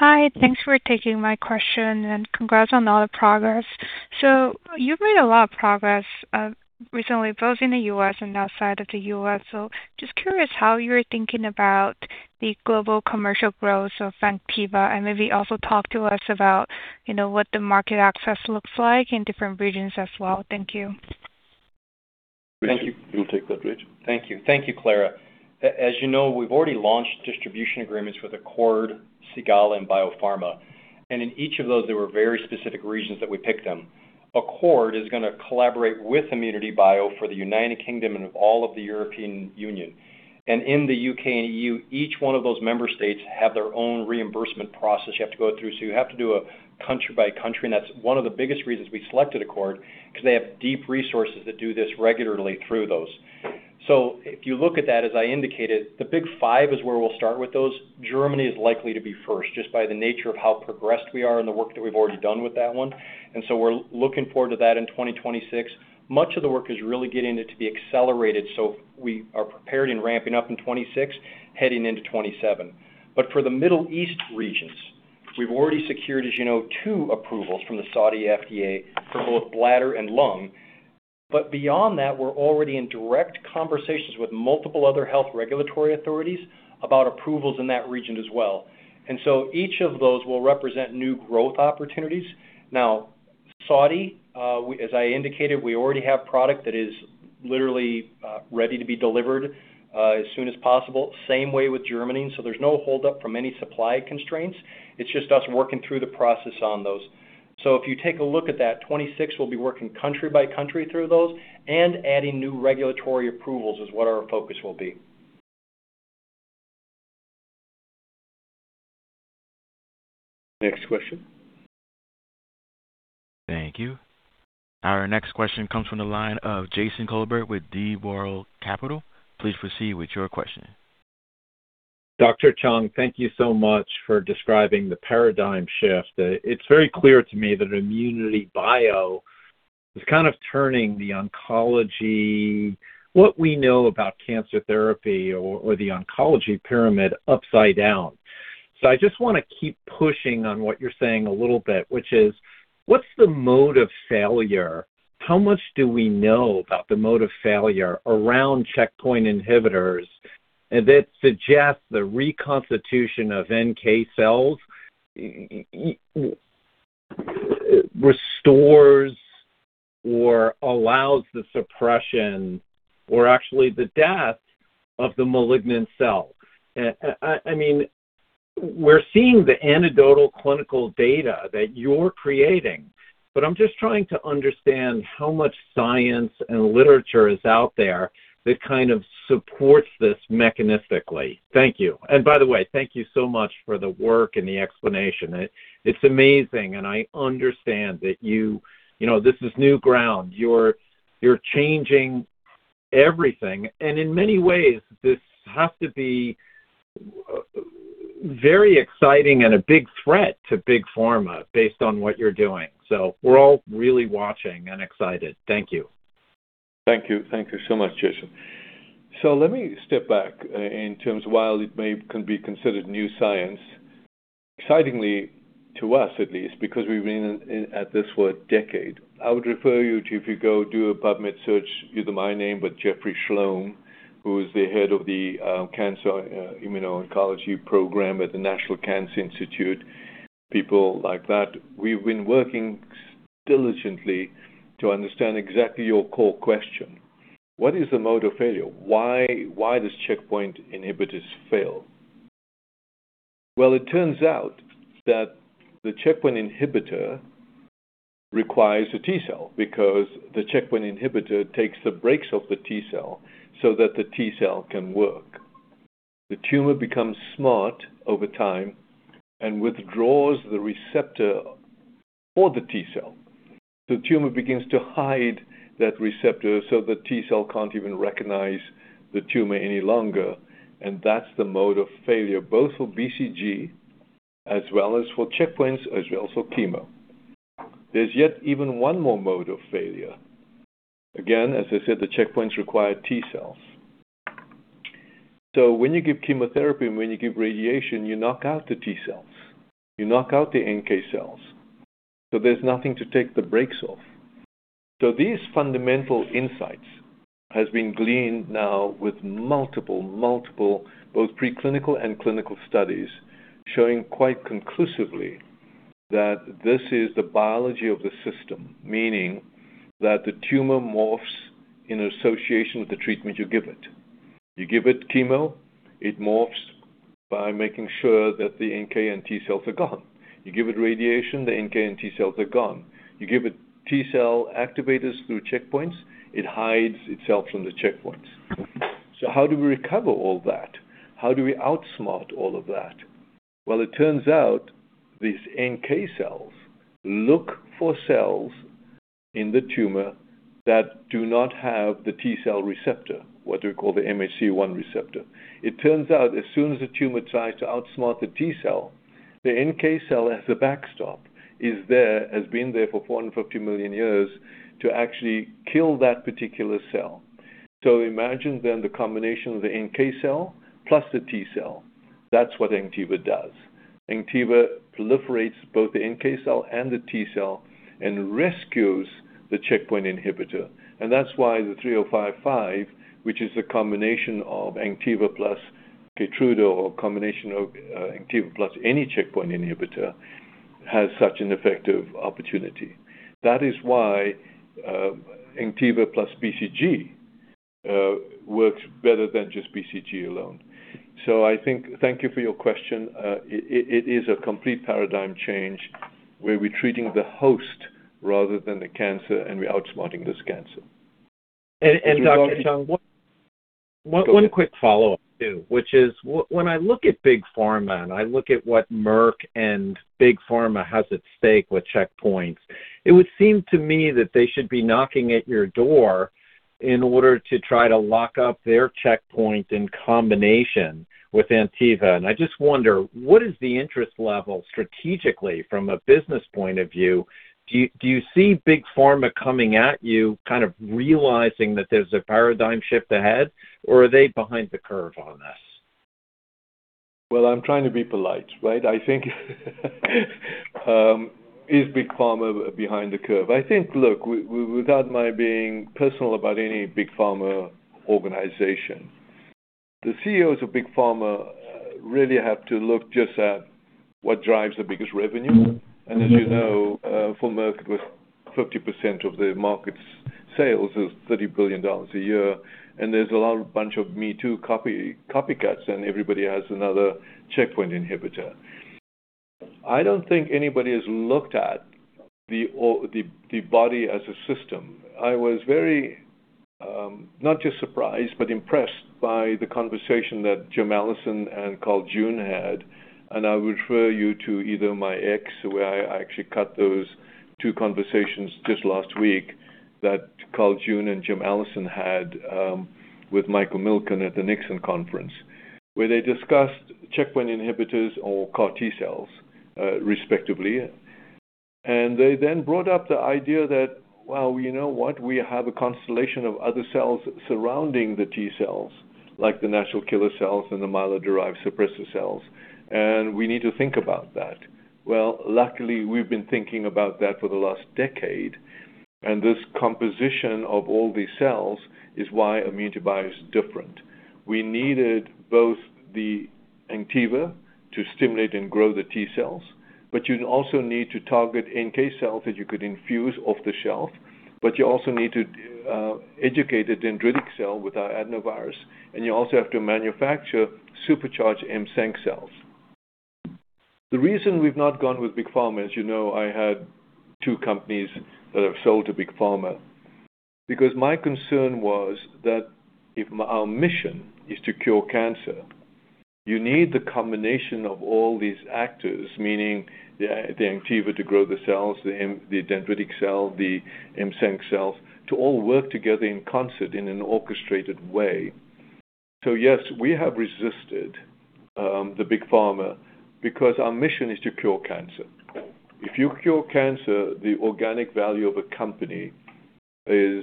Hi. Thanks for taking my question, congrats on all the progress. You've made a lot of progress recently, both in the U.S. and outside of the U.S. Just curious how you're thinking about the global commercial growth of Anktiva, and maybe also talk to us about, you know, what the market access looks like in different regions as well. Thank you. Thank you. You take that, Rich. Thank you. Thank you, Clara. As you know, we've already launched distribution agreements with Accord, Cigalah, and Biopharma. In each of those, there were very specific reasons that we picked them. Accord is gonna collaborate with ImmunityBio for the United Kingdom and all of the European Union. In the U.K. and EU, each one of those member states have their own reimbursement process you have to go through. You have to do a country by country, and that's one of the biggest reasons we selected Accord 'cause they have deep resources that do this regularly through those. If you look at that, as I indicated, the big five is where we'll start with those. Germany is likely to be first just by the nature of how progressed we are and the work that we've already done with that one. We're looking forward to that in 2026. Much of the work is really getting it to be accelerated so we are prepared in ramping up in 2026, heading into 2027. For the Middle East regions, we've already secured, as you know, two approvals from the Saudi FDA for both bladder and lung. Beyond that, we're already in direct conversations with multiple other health regulatory authorities about approvals in that region as well. Each of those will represent new growth opportunities. Now, Saudi, as I indicated, we already have product that is literally ready to be delivered as soon as possible. Same way with Germany. There's no hold up from any supply constraints. It's just us working through the process on those. If you take a look at that, 2026, we'll be working country by country through those and adding new regulatory approvals is what our focus will be. Next question. Thank you. Our next question comes from the line of Jason Kolbert with D. Boral Capital. Please proceed with your question. Dr. Soon-Shiong, thank you so much for describing the paradigm shift. It's very clear to me that ImmunityBio is kind of turning the oncology, what we know about cancer therapy or the oncology pyramid upside down. I just wanna keep pushing on what you're saying a little bit, which is, what's the mode of failure? How much do we know about the mode of failure around checkpoint inhibitors that suggests the reconstitution of NK cells restores or allows the suppression or actually the death of the malignant cell? I mean, we're seeing the anecdotal clinical data that you're creating, but I'm just trying to understand how much science and literature is out there that kind of supports this mechanistically. Thank you. By the way, thank you so much for the work and the explanation. It's amazing. I understand that you know, this is new ground. You're changing everything. In many ways, this has to be very exciting and a big threat to Big Pharma based on what you're doing. We're all really watching and excited. Thank you. Thank you. Thank you so much, Jason. Let me step back in terms of while it may be considered new science, excitingly to us at least, because we've been at this for a decade, I would refer you to, if you go do a PubMed search, either my name or Jeffrey Schlom, who is the head of the cancer immuno-oncology program at the National Cancer Institute, people like that. We've been working diligently to understand exactly your core question. What is the mode of failure? Why does checkpoint inhibitors fail? It turns out that the checkpoint inhibitor requires a T cell because the checkpoint inhibitor takes the brakes off the T cell so that the T cell can work. The tumor becomes smart over time and withdraws the receptor for the T cell. The tumor begins to hide that receptor so the T cell can't even recognize the tumor any longer, and that's the mode of failure, both for BCG as well as for checkpoints, as well as for chemo. There's yet even one more mode of failure. As I said, the checkpoints require T cells. When you give chemotherapy and when you give radiation, you knock out the T cells, you knock out the NK cells, so there's nothing to take the brakes off. These fundamental insights has been gleaned now with multiple, both preclinical and clinical studies showing quite conclusively that this is the biology of the system, meaning that the tumor morphs in association with the treatment you give it. You give it chemo, it morphs by making sure that the NK and T cells are gone. You give it radiation, the NK and T cells are gone. You give it T cell activators through checkpoints, it hides itself from the checkpoints. How do we recover all that? How do we outsmart all of that? It turns out these NK cells look for cells in the tumor that do not have the T cell receptor, what we call the MHC-1 receptor. It turns out as soon as the tumor tries to outsmart the T cell, the NK cell as a backstop is there, has been there for 150 million years to actually kill that particular cell. Imagine then the combination of the NK cell plus the T cell. That's what Anktiva does. Anktiva proliferates both the NK cell and the T cell and rescues the checkpoint inhibitor. That's why the QUILT-3.055, which is the combination of Anktiva plus Keytruda or combination of Anktiva plus any checkpoint inhibitor, has such an effective opportunity. That is why Anktiva plus BCG works better than just BCG alone. I think thank you for your question. It is a complete paradigm change where we're treating the host rather than the cancer, and we're outsmarting this cancer. Dr. Soon-Shiong- Go ahead. One quick follow-up too, which is when I look at Big Pharma and I look at what Merck and Big Pharma has at stake with checkpoints, it would seem to me that they should be knocking at your door in order to try to lock up their checkpoint in combination with Anktiva. I just wonder, what is the interest level strategically from a business point of view? Do you see Big Pharma coming at you kind of realizing that there's a paradigm shift ahead, or are they behind the curve on this? I'm trying to be polite, right? I think, is Big Pharma behind the curve? I think, look, without my being personal about any Big Pharma organization, the CEOs of Big Pharma really have to look just at what drives the biggest revenue. As you know, for Merck, it was 50% of the market's sales of $30 billion a year. There's a lot of bunch of me too copycats, and everybody has another checkpoint inhibitor. I don't think anybody has looked at the body as a system. I was very, not just surprised but impressed by the conversation that Jim Allison and Carl June had. I would refer you to either my ex, where I actually cut those two conversations just last week that Carl June and Jim Allison had with Michael Milken at the Nixon Conference, where they discussed checkpoint inhibitors or CAR T cells respectively. They then brought up the idea that, well, you know what? We have a constellation of other cells surrounding the T cells, like the natural killer cells and the myeloid-derived suppressor cells, and we need to think about that. Well, luckily, we've been thinking about that for the last decade, and this composition of all these cells is why ImmunityBio is different. We needed both the Anktiva to stimulate and grow the T cells, but you also need to target NK cells that you could infuse off the shelf. You also need to educate the dendritic cell with our adenovirus, and you also have to manufacture supercharged M-ceNK cells. The reason we've not gone with big pharma, as you know, I had two companies that have sold to big pharma. My concern was that if our mission is to cure cancer, you need the combination of all these actors, meaning the Anktiva to grow the cells, the dendritic cell, the M-ceNK cells, to all work together in concert in an orchestrated way. Yes, we have resisted the big pharma because our mission is to cure cancer. If you cure cancer, the organic value of a company is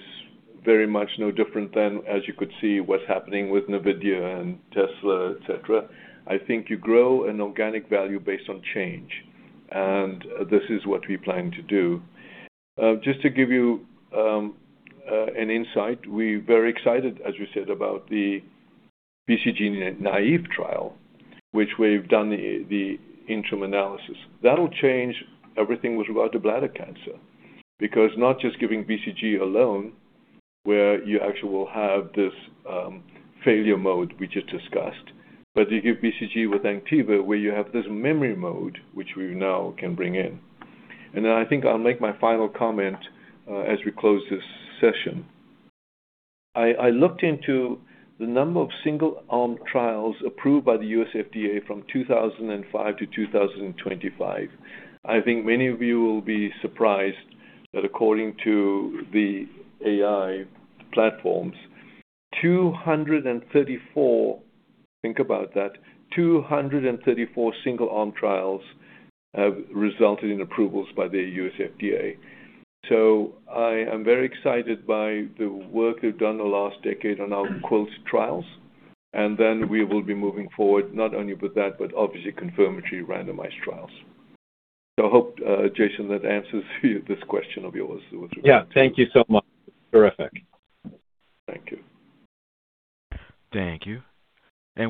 very much no different than as you could see what's happening with NVIDIA and Tesla, et cetera. I think you grow an organic value based on change, and this is what we plan to do. Just to give you an insight, we're very excited, as you said, about the BCG-naïve trial, which we've done the interim analysis. That'll change everything with regard to bladder cancer. Not just giving BCG alone where you actually will have this failure mode we just discussed, but you give BCG with Anktiva, where you have this memory mode which we now can bring in. I think I'll make my final comment as we close this session. I looked into the number of single-arm trials approved by the FDA from 2005 to 2025. I think many of you will be surprised that according to the AI platforms, 234, think about that, 234 single-arm trials have resulted in approvals by the U.S. FDA. I am very excited by the work we've done the last decade on our closed trials, and then we will be moving forward not only with that, but obviously confirmatory randomized trials. I hope, Jason, that answers this question of yours with regard to. Yeah. Thank you so much. Terrific. Thank you. Thank you.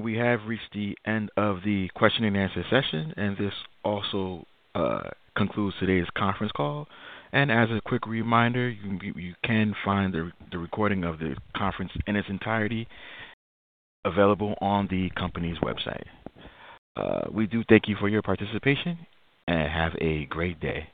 We have reached the end of the question and answer session, and this also concludes today's conference call. As a quick reminder, you can find the recording of the conference in its entirety available on the company's website. We do thank you for your participation, and have a great day.